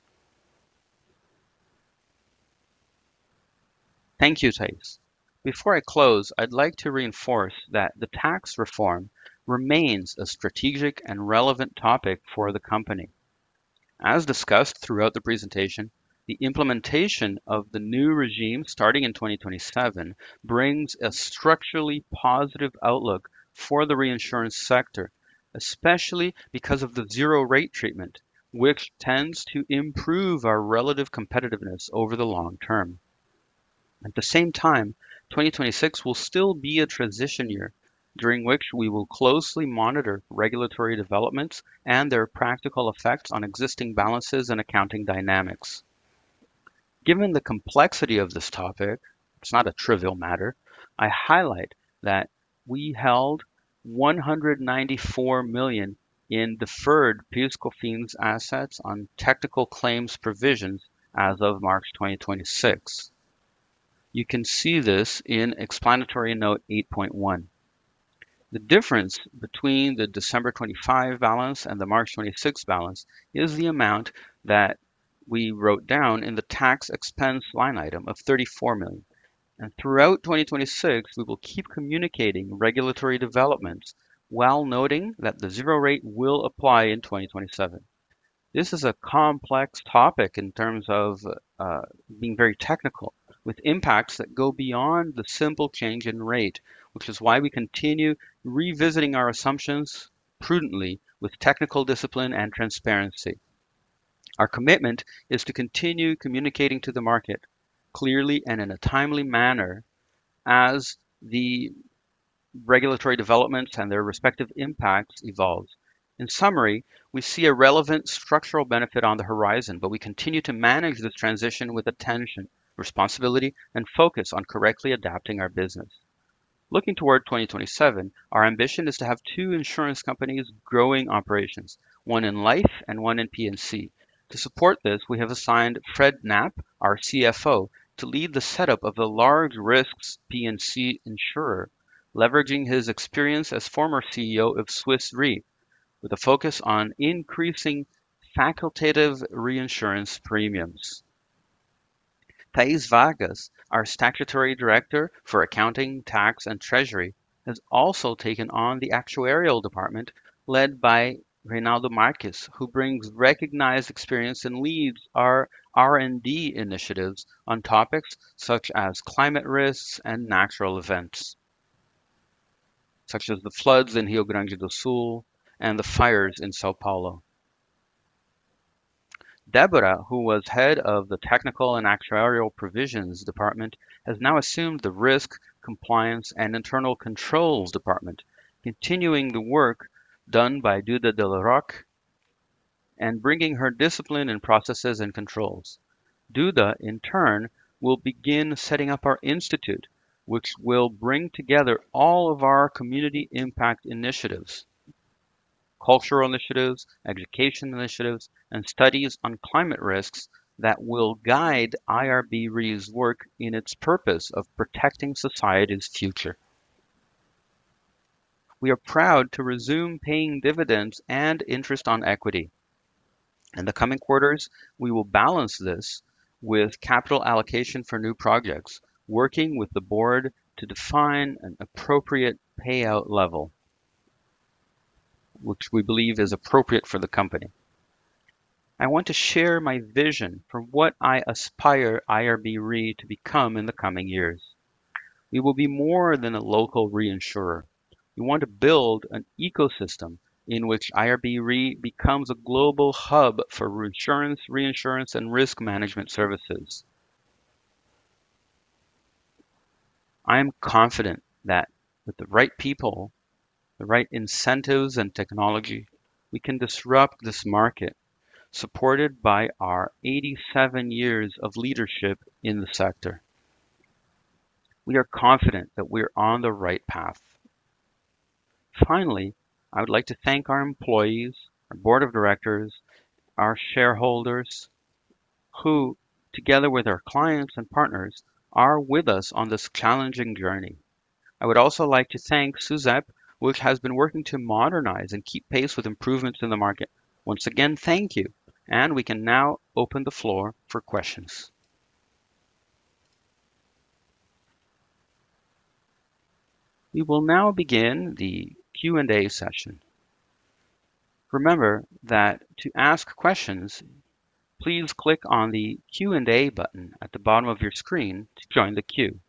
Speaker 2: Thank you, Thays. Before I close, I'd like to reinforce that the tax reform remains a strategic and relevant topic for the company. As discussed throughout the presentation, the implementation of the new regime starting in 2027 brings a structurally positive outlook for the reinsurance sector, especially because of the zero rate treatment, which tends to improve our relative competitiveness over the long term. At the same time, 2026 will still be a transition year during which we will closely monitor regulatory developments and their practical effects on existing balances and accounting dynamics. Given the complexity of this topic, it's not a trivial matter, I highlight that we held 194 million in deferred plus COFINS assets on technical claims provisions as of March 2026. You can see this in explanatory note 8.1. The difference between the December 2025 balance and the March 2026 balance is the amount that we wrote down in the tax expense line item of 34 million. Throughout 2026, we will keep communicating regulatory developments while noting that the zero rate will apply in 2027. This is a complex topic in terms of being very technical, with impacts that go beyond the simple change in rate, which is why we continue revisiting our assumptions prudently with technical discipline and transparency. Our commitment is to continue communicating to the market clearly and in a timely manner as the regulatory developments and their respective impacts evolve. In summary, we see a relevant structural benefit on the horizon, but we continue to manage this transition with attention, responsibility, and focus on correctly adapting our business. Looking toward 2027, our ambition is to have two insurance companies growing operations, one in life and one in P&C. To support this, we have assigned Fred Knapp, our CFO, to lead the setup of the large risks P&C insurer, leveraging his experience as former CEO of Swiss Re, with a focus on increasing facultative reinsurance premiums. Thays Vargas, our statutory director for accounting, tax, and treasury, has also taken on the actuarial department led by Reinaldo Marques, who brings recognized experience and leads our R&D initiatives on topics such as climate risks and natural events, such as the floods in Rio Grande do Sul and the fires in São Paulo. Débora, who was head of the technical and actuarial provisions department, has now assumed the risk, compliance, and internal controls department, continuing the work done by Duda La Rocque and bringing her discipline in processes and controls. Duda, in turn, will begin setting up our institute, which will bring together all of our community impact initiatives, cultural initiatives, education initiatives, and studies on climate risks that will guide IRB(Re)'s work in its purpose of protecting society's future. We are proud to resume paying dividends and interest on equity. In the coming quarters, we will balance this with capital allocation for new projects, working with the Board to define an appropriate payout level, which we believe is appropriate for the company. I want to share my vision for what I aspire IRB(Re) to become in the coming years. We will be more than a local reinsurer. We want to build an ecosystem in which IRB(Re) becomes a global hub for reinsurance and risk management services. I am confident that with the right people, the right incentives and technology, we can disrupt this market, supported by our 87 years of leadership in the sector. We are confident that we're on the right path. Finally, I would like to thank our employees, our board of directors, our shareholders, who together with our clients and partners are with us on this challenging journey. I would also like to thank SUSEP, which has been working to modernize and keep pace with improvements in the market. Once again, thank you. We can now open the floor for questions.
Speaker 1: We will now begin the Q&A session. Remember that to ask questions, please click on the Q&A button at the bottom of your screen to join the queue.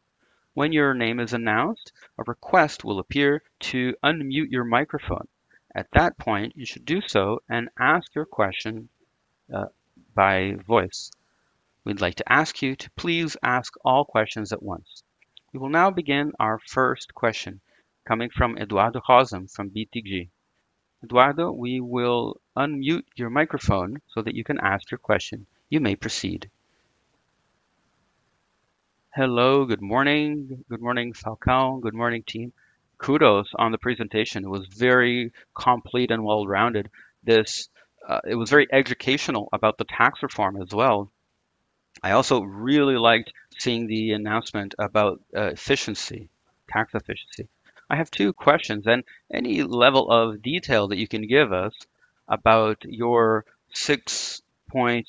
Speaker 1: When your name is announced, a request will appear to unmute your microphone. At that point, you should do so and ask your question by voice. We'd like to ask you to please ask all questions at once. We will now begin our first question coming from Eduardo Rosman from BTG. Eduardo, we will unmute your microphone so that you can ask your question. You may proceed.
Speaker 7: Hello, good morning. Good morning, Falcão. Good morning, team. Kudos on the presentation. It was very complete and well-rounded. This, it was very educational about the tax reform as well. I also really liked seeing the announcement about efficiency, tax efficiency. I have two questions, any level of detail that you can give us about your six-point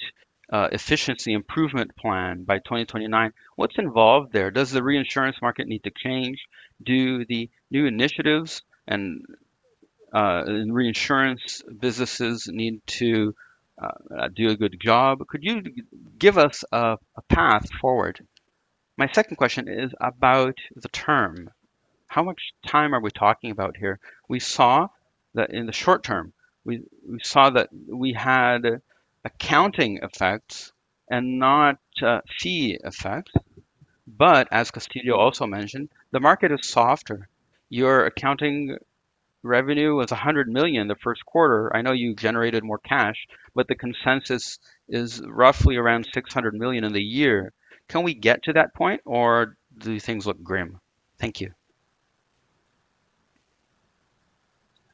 Speaker 7: efficiency improvement plan by 2029. What's involved there? Does the reinsurance market need to change? Do the new initiatives and reinsurance businesses need to do a good job? Could you give us a path forward? My second question is about the term. How much time are we talking about here? We saw that in the short term, we saw that we had accounting effects and not fee effects. As Castillo also mentioned, the market is softer. Your accounting revenue was 100 million the first quarter. I know you generated more cash, but the consensus is roughly around 600 million in the year. Can we get to that point, or do things look grim? Thank you.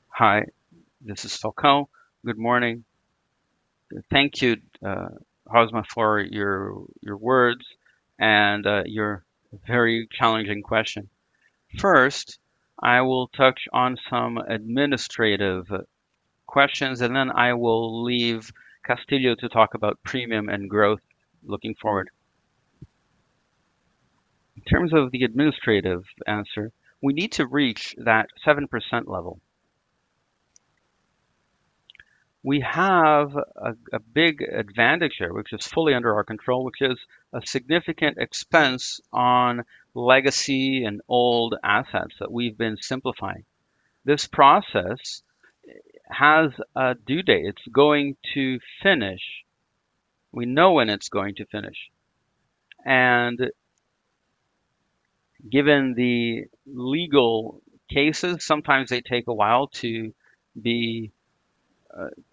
Speaker 2: Hi, this is Falcão. Good morning. Thank you, Rosman, for your words and your very challenging question. First, I will touch on some administrative questions, and then I will leave Castillo to talk about premium and growth looking forward. In terms of the administrative answer, we need to reach that 7% level. We have a big advantage here, which is fully under our control, which is a significant expense on legacy and old assets that we've been simplifying. This process has a due date. It's going to finish. We know when it's going to finish. Given the legal cases, sometimes they take a while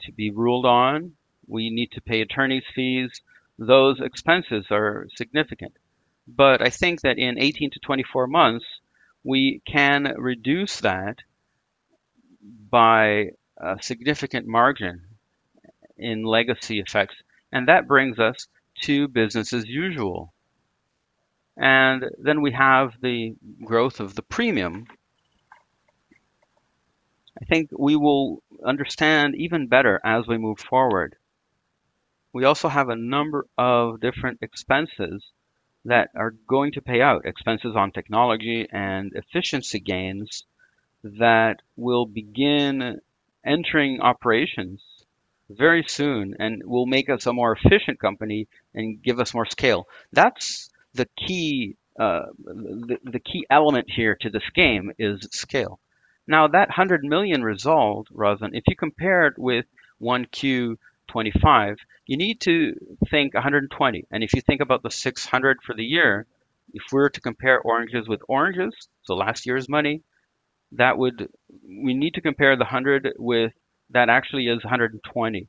Speaker 2: to be ruled on. We need to pay attorney's fees. Those expenses are significant. I think that in 18 to 24 months, we can reduce that by a significant margin in legacy effects, and that brings us to business as usual. Then we have the growth of the premium. I think we will understand even better as we move forward. We also have a number of different expenses that are going to pay out, expenses on technology and efficiency gains that will begin entering operations very soon and will make us a more efficient company and give us more scale. That's the key, the key element here to this game is scale. That 100 million result, Rosman, if you compare it with 1Q 2025, you need to think 120. If you think about the 600 for the year, if we're to compare oranges with oranges, so last year's money, we need to compare the 100 with that actually is 120.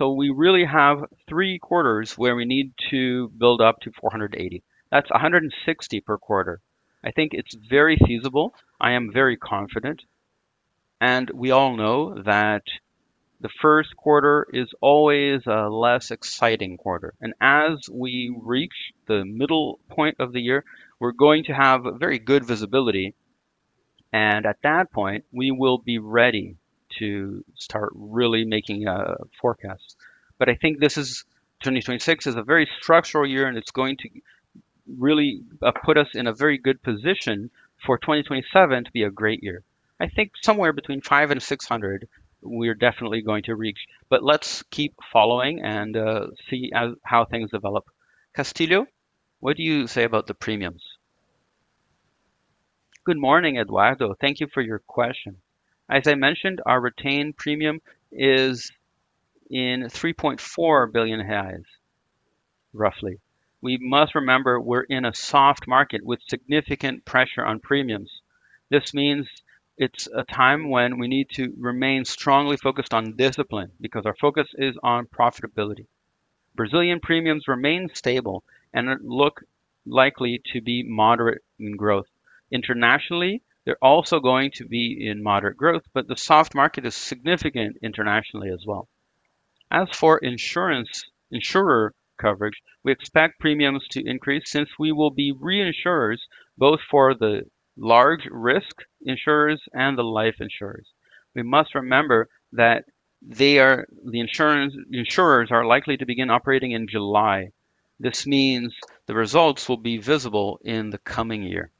Speaker 2: We really have three quarters where we need to build up to 480. That's 160 per quarter. I think it's very feasible. I am very confident. We all know that the first quarter is always a less exciting quarter. As we reach the middle point of the year, we're going to have very good visibility. At that point, we will be ready to start really making a forecast. I think this is 2026 is a very structural year, and it's going to really put us in a very good position for 2027 to be a great year. I think somewhere between 5 and 600 we're definitely going to reach. Let's keep following and see how things develop. Castillo, what do you say about the premiums?
Speaker 4: Good morning, Eduardo. Thank you for your question. As I mentioned, our retained premium is in 3.4 billion, roughly. We must remember we're in a soft market with significant pressure on premiums. This means it's a time when we need to remain strongly focused on discipline because our focus is on profitability. Brazilian premiums remain stable and look likely to be moderate in growth. Internationally, they're also going to be in moderate growth, but the soft market is significant internationally as well. As for insurance, insurer coverage, we expect premiums to increase since we will be reinsurers both for the large risk insurers and the life insurers. We must remember that the insurers are likely to begin operating in July. This means the results will be visible in the coming year.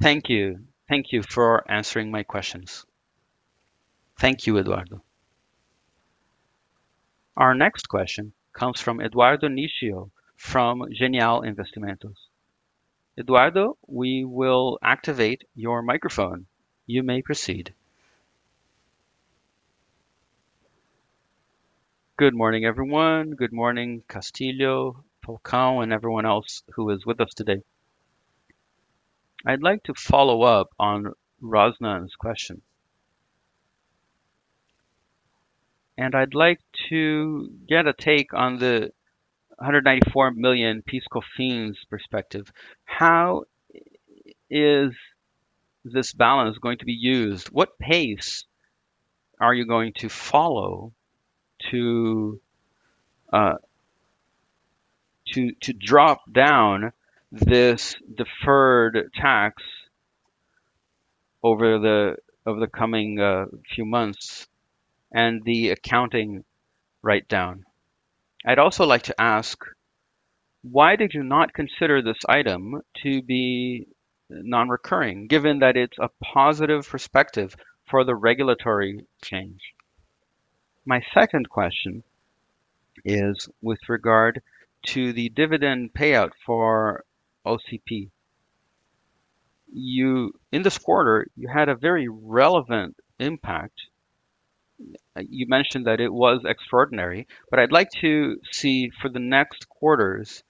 Speaker 7: Thank you. Thank you for answering my questions.
Speaker 2: Thank you, Eduardo.
Speaker 1: Our next question comes from Eduardo Nishio from Genial Investimentos. Eduardo, we will activate your microphone. You may proceed.
Speaker 8: Good morning, everyone. Good morning, Castillo, Falcão, and everyone else who is with us today. I'd like to follow up on Rosman's question. I'd like to get a take on the 194 million PIS/COFINS perspective. How is this balance going to be used? What pace are you going to follow to drop down this deferred tax over the coming few months and the accounting write-down? I'd also like to ask, why did you not consider this item to be non-recurring, given that it's a positive perspective for the regulatory change? My second question is with regard to the dividend payout for JCP. In this quarter, you had a very relevant impact. You mentioned that it was extraordinary, but I'd like to see for the next quarters,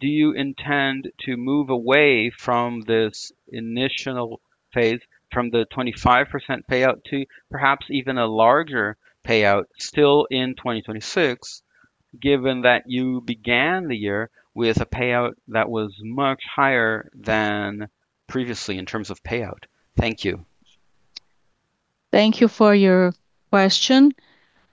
Speaker 8: do you intend to move away from this initial phase, from the 25% payout to perhaps even a larger payout still in 2026, given that you began the year with a payout that was much higher than previously in terms of payout? Thank you.
Speaker 2: Thank you for your question.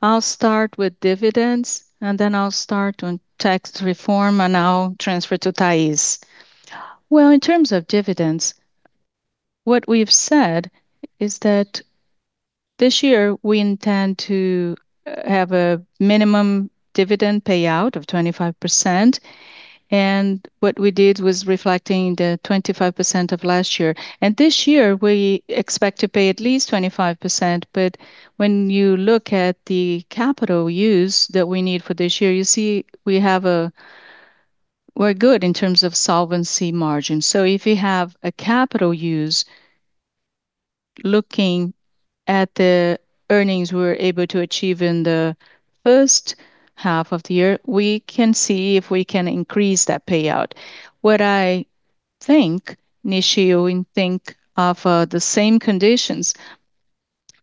Speaker 2: I'll start with dividends, and then I'll start on tax reform, and I'll transfer to Thays. In terms of dividends, what we've said is that this year we intend to have a minimum dividend payout of 25%, and what we did was reflecting the 25% of last year. This year we expect to pay at least 25%, but when you look at the capital use that we need for this year, you see we're good in terms of solvency margin. If you have a capital use, looking at the earnings we're able to achieve in the first half of the year, we can see if we can increase that payout. What I think, Nishio, and think of the same conditions,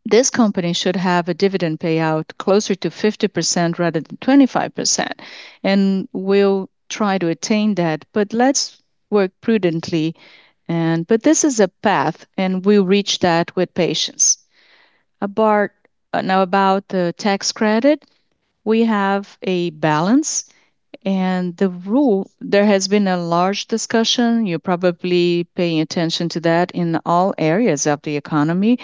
Speaker 2: this company should have a dividend payout closer to 50% rather than 25%. We'll try to attain that, but let's work prudently. This is a path, and we'll reach that with patience. Now, about the tax credit, we have a balance, and the rule, there has been a large discussion. You're probably paying attention to that in all areas of the economy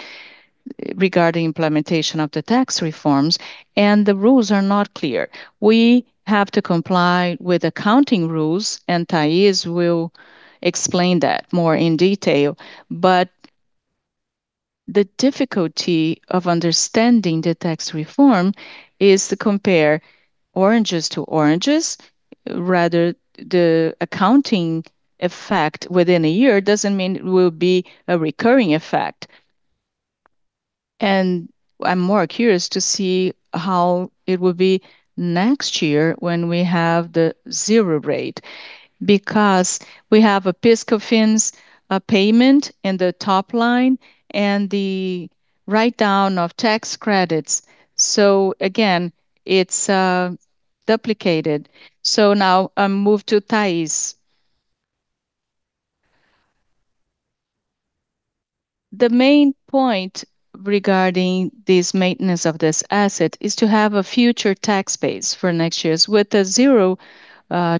Speaker 2: regarding implementation of the tax reforms, and the rules are not clear. We have to comply with accounting rules, and Thays will explain that more in detail. The difficulty of understanding the tax reform is to compare oranges to oranges. Rather, the accounting effect within a year doesn't mean it will be a recurring effect. I'm more curious to see how it will be next year when we have the zero rate because we have a PIS/COFINS payment in the top line and the write-down of tax credits. Again, it's duplicated. Now I move to Thays.
Speaker 3: The main point regarding this maintenance of this asset is to have a future tax base for next year. With a zero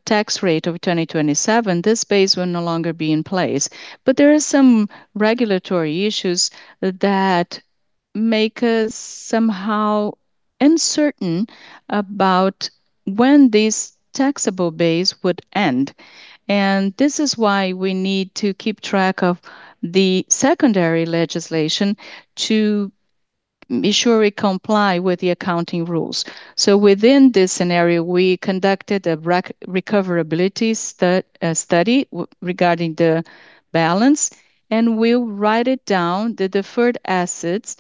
Speaker 3: tax rate of 2027, this base will no longer be in place. There are some regulatory issues that make us somehow uncertain about when this taxable base would end. This is why we need to keep track of the secondary legislation to ensure we comply with the accounting rules. Within this scenario, we conducted a recoverability study regarding the balance, and we'll write it down, the deferred assets.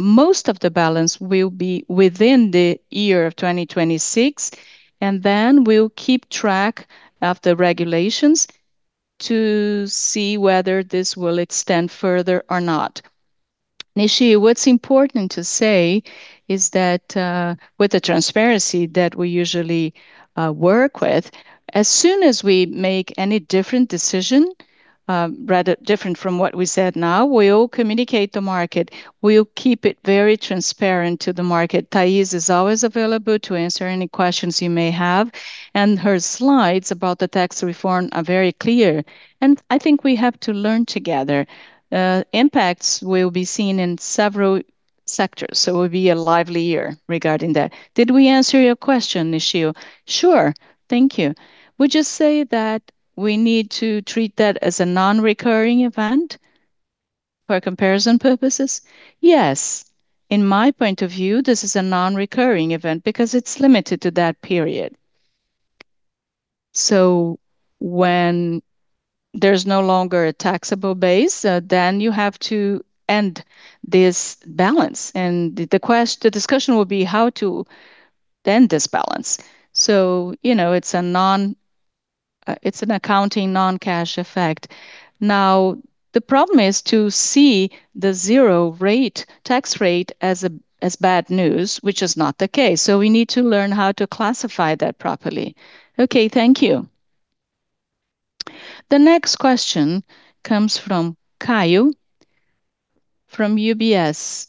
Speaker 3: Most of the balance will be within the year of 2026, we'll keep track of the regulations to see whether this will extend further or not.
Speaker 2: Nishio, what's important to say is that, with the transparency that we usually work with, as soon as we make any different decision, rather different from what we said now, we'll communicate the market. We'll keep it very transparent to the market. Thays is always available to answer any questions you may have. Her slides about the tax reform are very clear. I think we have to learn together. Impacts will be seen in several sectors. It will be a lively year regarding that. Did we answer your question, Nishio?
Speaker 8: Sure. Thank you. We just say that we need to treat that as a non-recurring event for comparison purposes?
Speaker 2: Yes. In my point of view, this is a non-recurring event because it's limited to that period. When there's no longer a taxable base, then you have to end this balance, and the discussion will be how to end this balance. You know, it's an accounting non-cash effect. The problem is to see the zero rate, tax rate as a, as bad news, which is not the case. We need to learn how to classify that properly.
Speaker 8: Okay, thank you.
Speaker 1: The next question comes from Kaio from UBS.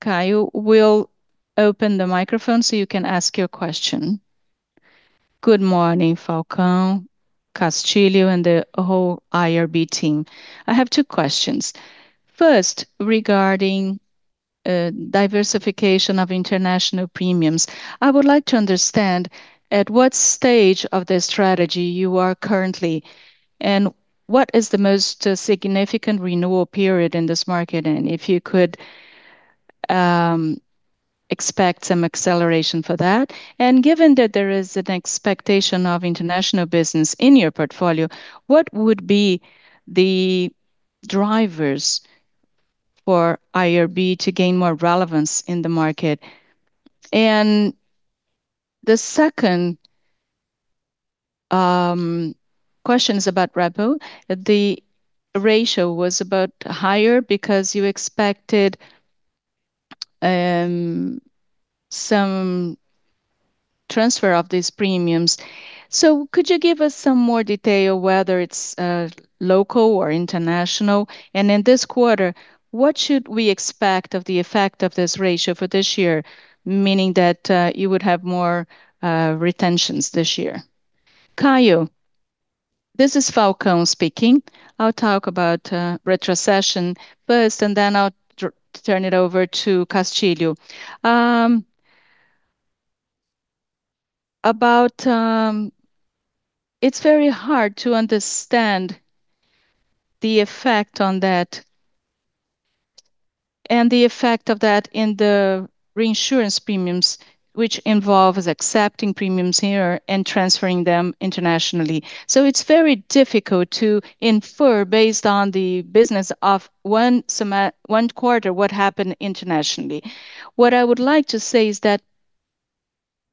Speaker 1: Kaio, we'll open the microphone so you can ask your question.
Speaker 9: Good morning, Falcão, Castillo, and the whole IRB team. I have two questions. First, regarding diversification of International premiums, I would like to understand at what stage of the strategy you are currently, and what is the most significant renewal period in this market, and if you could expect some acceleration for that. Given that there is an expectation of International business in your portfolio, what would be the drivers for IRB to gain more relevance in the market? The second question is about repo. The ratio was about higher because you expected some transfer of these premiums. Could you give us some more detail whether it's local or international? In this quarter, what should we expect of the effect of this ratio for this year, meaning that you would have more retentions this year?
Speaker 2: Kaio, this is Falcão speaking. I'll talk about retrocession first, and then I'll turn it over to Castillo. It's very hard to understand the effect on that, and the effect of that in the reinsurance premiums, which involves accepting premiums here and transferring them internationally. It's very difficult to infer based on the business of 1 quarter what happened internationally. What I would like to say is that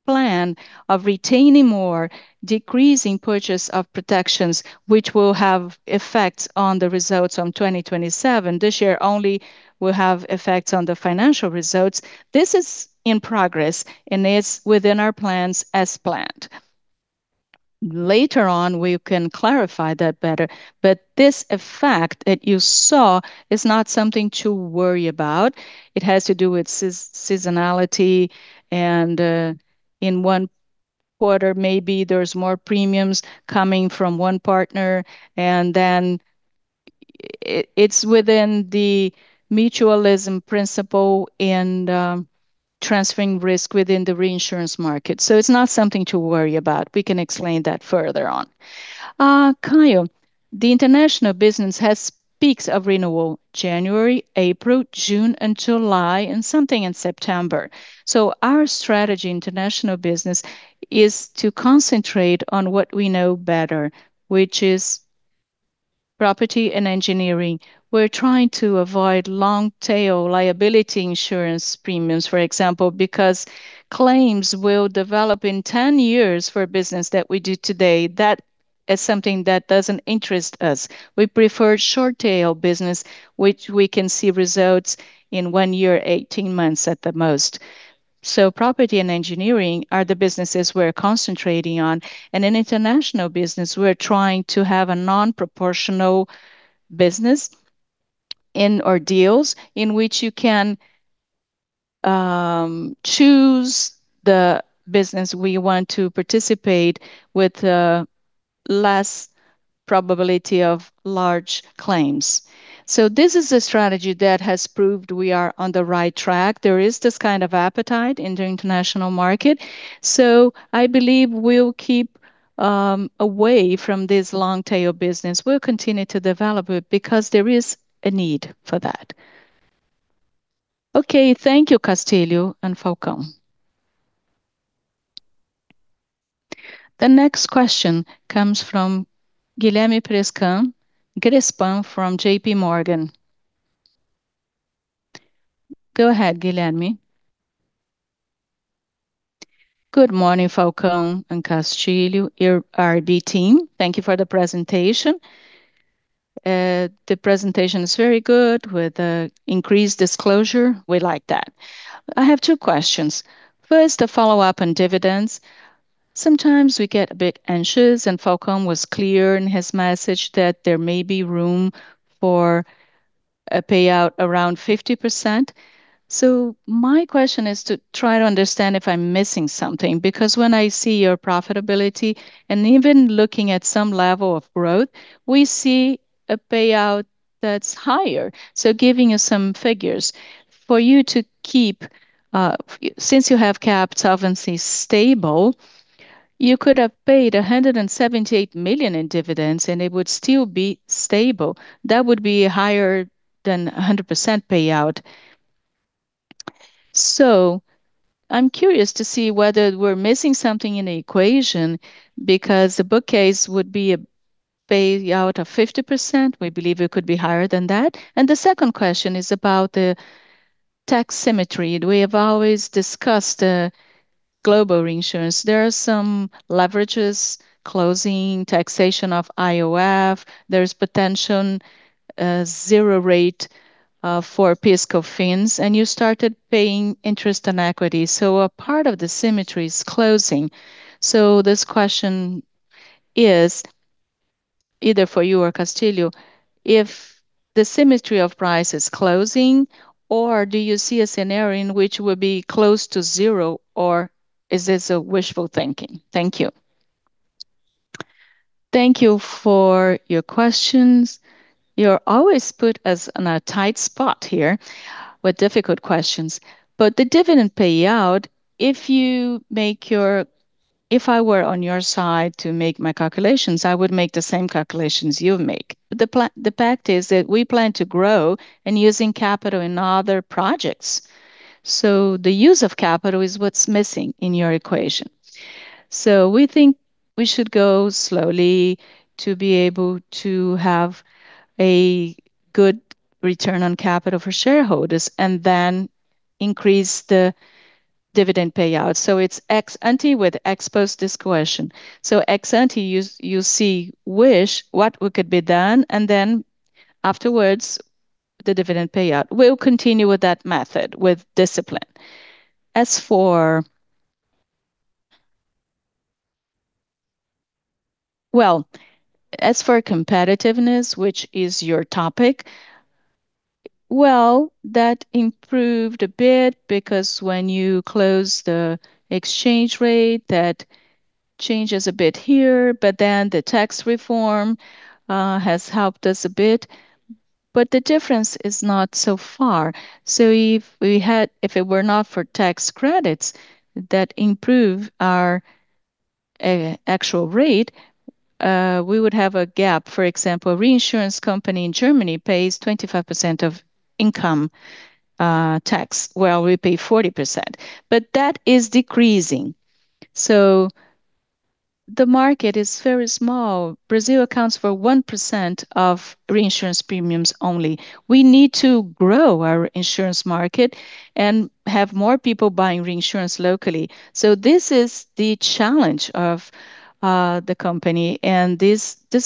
Speaker 2: plan of retaining more, decreasing purchase of protections, which will have effects on the results on 2027. This year only will have effects on the financial results. This is in progress, and it's within our plans as planned. Later on, we can clarify that better, but this effect that you saw is not something to worry about. It has to do with seasonality, and in one quarter, maybe there's more premiums coming from one partner, and then it's within the mutualism principle and transferring risk within the reinsurance market. It's not something to worry about. We can explain that further on.
Speaker 4: Kaio, the international business has peaks of renewal January, April, June, and July, and something in September. Our strategy international business is to concentrate on what we know better, which is property and engineering. We're trying to avoid long-tail liability insurance premiums, for example, because claims will develop in 10 years for a business that we do today. That is something that doesn't interest us. We prefer short-tail business, which we can see results in one year, 18 months at the most. Property and engineering are the businesses we're concentrating on. In International business, we're trying to have a non-proportional business in deals in which you can choose the business we want to participate with, less probability of large claims. This is a strategy that has proved we are on the right track. There is this kind of appetite in the international market, I believe we'll keep away from this long-tail business. We'll continue to develop it because there is a need for that.
Speaker 9: Okay, thank you, Castillo and Falcão.
Speaker 1: The next question comes from Guilherme Grespan from JPMorgan. Go ahead, Guilherme.
Speaker 10: Good morning, Falcão and Castillo, IRB team. Thank you for the presentation. The presentation is very good with increased disclosure. We like that. I have two questions. First, a follow-up on dividends. Sometimes we get a bit anxious, and Falcão was clear in his message that there may be room for a payout around 50%. My question is to try to understand if I'm missing something. Because when I see your profitability, and even looking at some level of growth, we see a payout that's higher. Giving us some figures. For you to keep, since you have kept solvency stable, you could have paid 178 million in dividends, and it would still be stable. That would be higher than 100% payout. I'm curious to see whether we're missing something in the equation, because the book case would be a payout of 50%, we believe it could be higher than that. The second question is about the tax symmetry. We have always discussed global reinsurance. There are some leverages closing, taxation of IOF. There's potential zero rate for PIS/COFINS, and you started paying interest on equity, so a part of the symmetry is closing. This question is either for you or Castillo, if the symmetry of price is closing, or do you see a scenario in which it would be close to zero, or is this a wishful thinking? Thank you.
Speaker 2: Thank you for your questions. You always put us in a tight spot here with difficult questions. The dividend payout, if I were on your side to make my calculations, I would make the same calculations you make. The fact is that we plan to grow and using capital in other projects. The use of capital is what's missing in your equation. We think we should go slowly to be able to have a good return on capital for shareholders, and then increase the dividend payout. It's ex ante with ex post discretion. Ex ante you see wish what could be done, and then afterwards, the dividend payout. We'll continue with that method with discipline. As for competitiveness, which is your topic, that improved a bit because when you close the exchange rate, that changes a bit here. The tax reform has helped us a bit. The difference is not so far. If it were not for tax credits that improve our actual rate, we would have a gap. For example, a reinsurance company in Germany pays 25% of income tax, while we pay 40%. That is decreasing. The market is very small. Brazil accounts for 1% of reinsurance premiums only. We need to grow our insurance market and have more people buying reinsurance locally. This is the challenge of the company, and this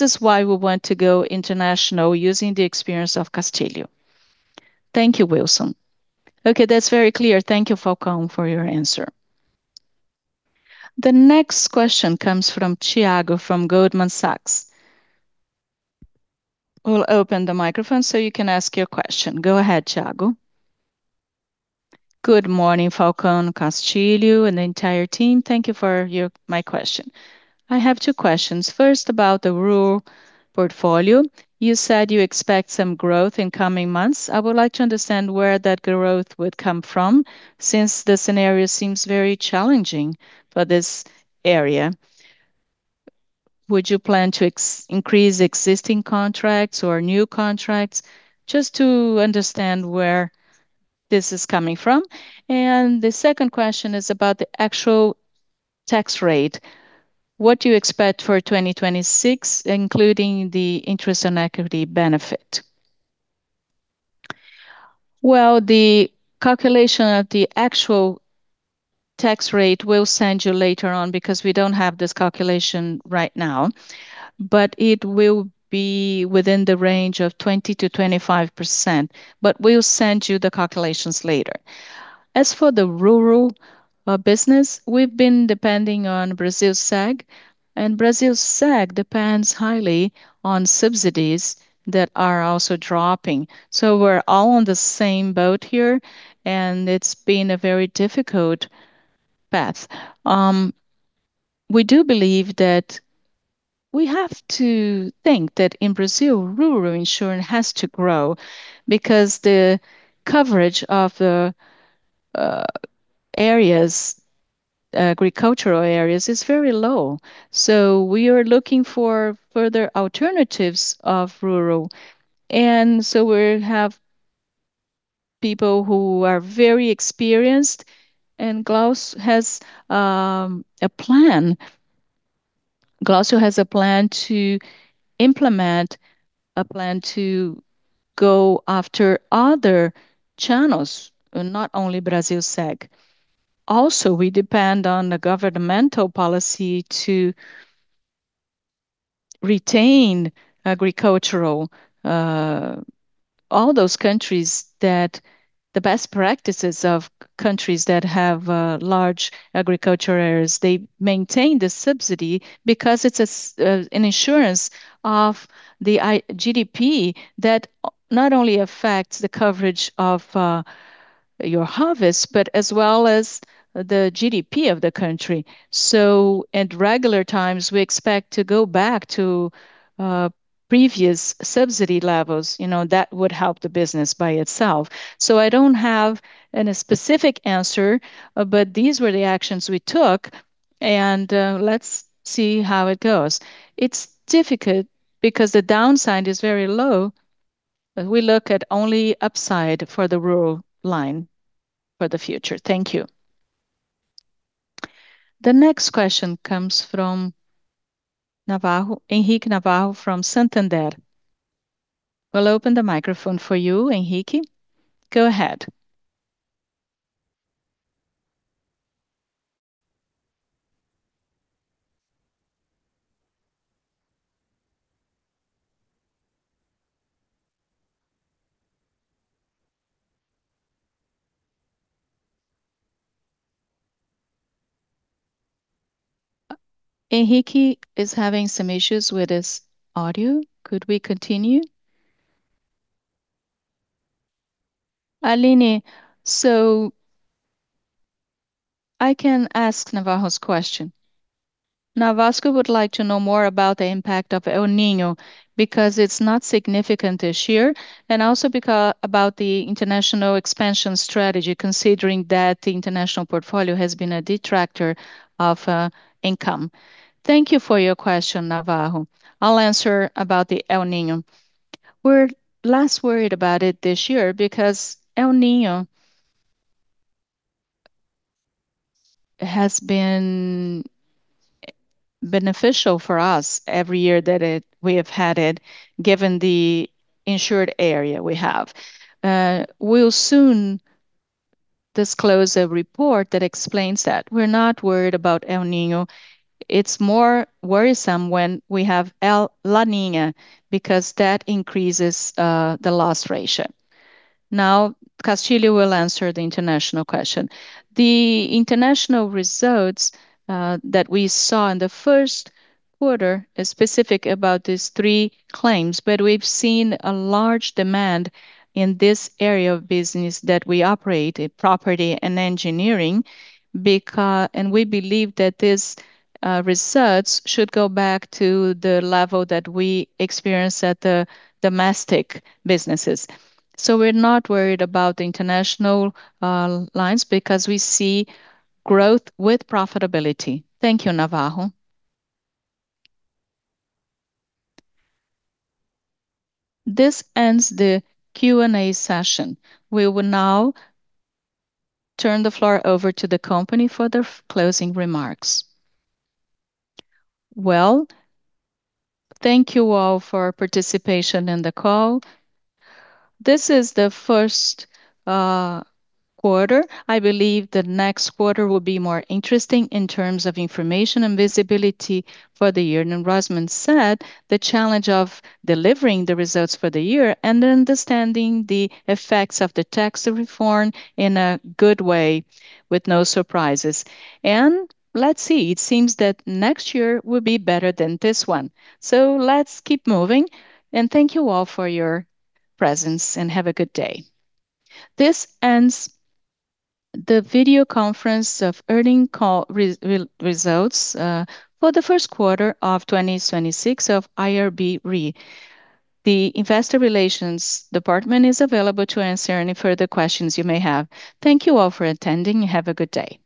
Speaker 2: is why we want to go International using the experience of Castillo. Thank you, Grespan.
Speaker 10: Okay, that's very clear. Thank you, Falcão, for your answer.
Speaker 1: The next question comes from Tiago from Goldman Sachs. We'll open the microphone so you can ask your question. Go ahead, Tiago.
Speaker 11: Good morning, Falcão, Castillo, and the entire team. Thank you for my question. I have two questions. First, about the rural portfolio. You said you expect some growth in coming months. I would like to understand where that growth would come from, since the scenario seems very challenging for this area. Would you plan to increase existing contracts or new contracts? Just to understand where this is coming from. The second question is about the actual tax rate. What do you expect for 2026, including the interest on equity benefit?
Speaker 2: Well, the calculation of the actual tax rate, we'll send you later on because we don't have this calculation right now, but it will be within the range of 20%-25%. We'll send you the calculations later. As for the rural business, we've been depending on Brasilseg, and Brasilseg depends highly on subsidies that are also dropping. We're all on the same boat here, and it's been a very difficult path. We do believe that we have to think that in Brazil, rural insurance has to grow because the coverage of the areas, agricultural areas, is very low. We are looking for further alternatives of rural. We have people who are very experienced, and Glaucio has a plan. Glaucio has a plan to implement a plan to go after other channels and not only Brasilseg. Also, we depend on the governmental policy to retain agricultural. All those countries that the best practices of countries that have large agriculture areas, they maintain the subsidy because it's an insurance of the GDP that not only affects the coverage of your harvest, but as well as the GDP of the country. At regular times, we expect to go back to previous subsidy levels, you know, that would help the business by itself. I don't have an specific answer, but these were the actions we took, and let's see how it goes. It's difficult because the downside is very low. We look at only upside for the rural line for the future. Thank you.
Speaker 1: The next question comes from Henrique Navarro from Santander. We'll open the microphone for you, Henrique. Go ahead. Henrique is having some issues with his audio. Could we continue? I can ask Navarro's question. Navarro would like to know more about the impact of El Niño because it's not significant this year, and also about the international expansion strategy considering that the international portfolio has been a detractor of income.
Speaker 2: Thank you for your question, Navarro. I'll answer about the El Niño. We're less worried about it this year because El Niño has been beneficial for us every year that we have had it, given the insured area we have. We'll soon disclose a report that explains that. We're not worried about El Niño. It's more worrisome when we have La Niña because that increases the loss ratio. Castillo will answer the International question.
Speaker 4: The international results that we saw in the first quarter is specific about these three claims. We've seen a large demand in this area of business that we operate in, property and engineering. We believe that this research should go back to the level that we experience at the domestic businesses. We're not worried about the international lines because we see growth with profitability.
Speaker 1: Thank you, Navarro. This ends the Q&A session. We will now turn the floor over to the company for their closing remarks.
Speaker 2: Thank you all for participation in the call. This is the first quarter. I believe the next quarter will be more interesting in terms of information and visibility for the year. Rosman said the challenge of delivering the results for the year and understanding the effects of the tax reform in a good way with no surprises. Let's see. It seems that next year will be better than this one. Let's keep moving, and thank you all for your presence, and have a good day.
Speaker 1: This ends the video conference of earning call results for the first quarter of 2026 of IRB(Re). The investor relations department is available to answer any further questions you may have. Thank you all for attending. Have a good day.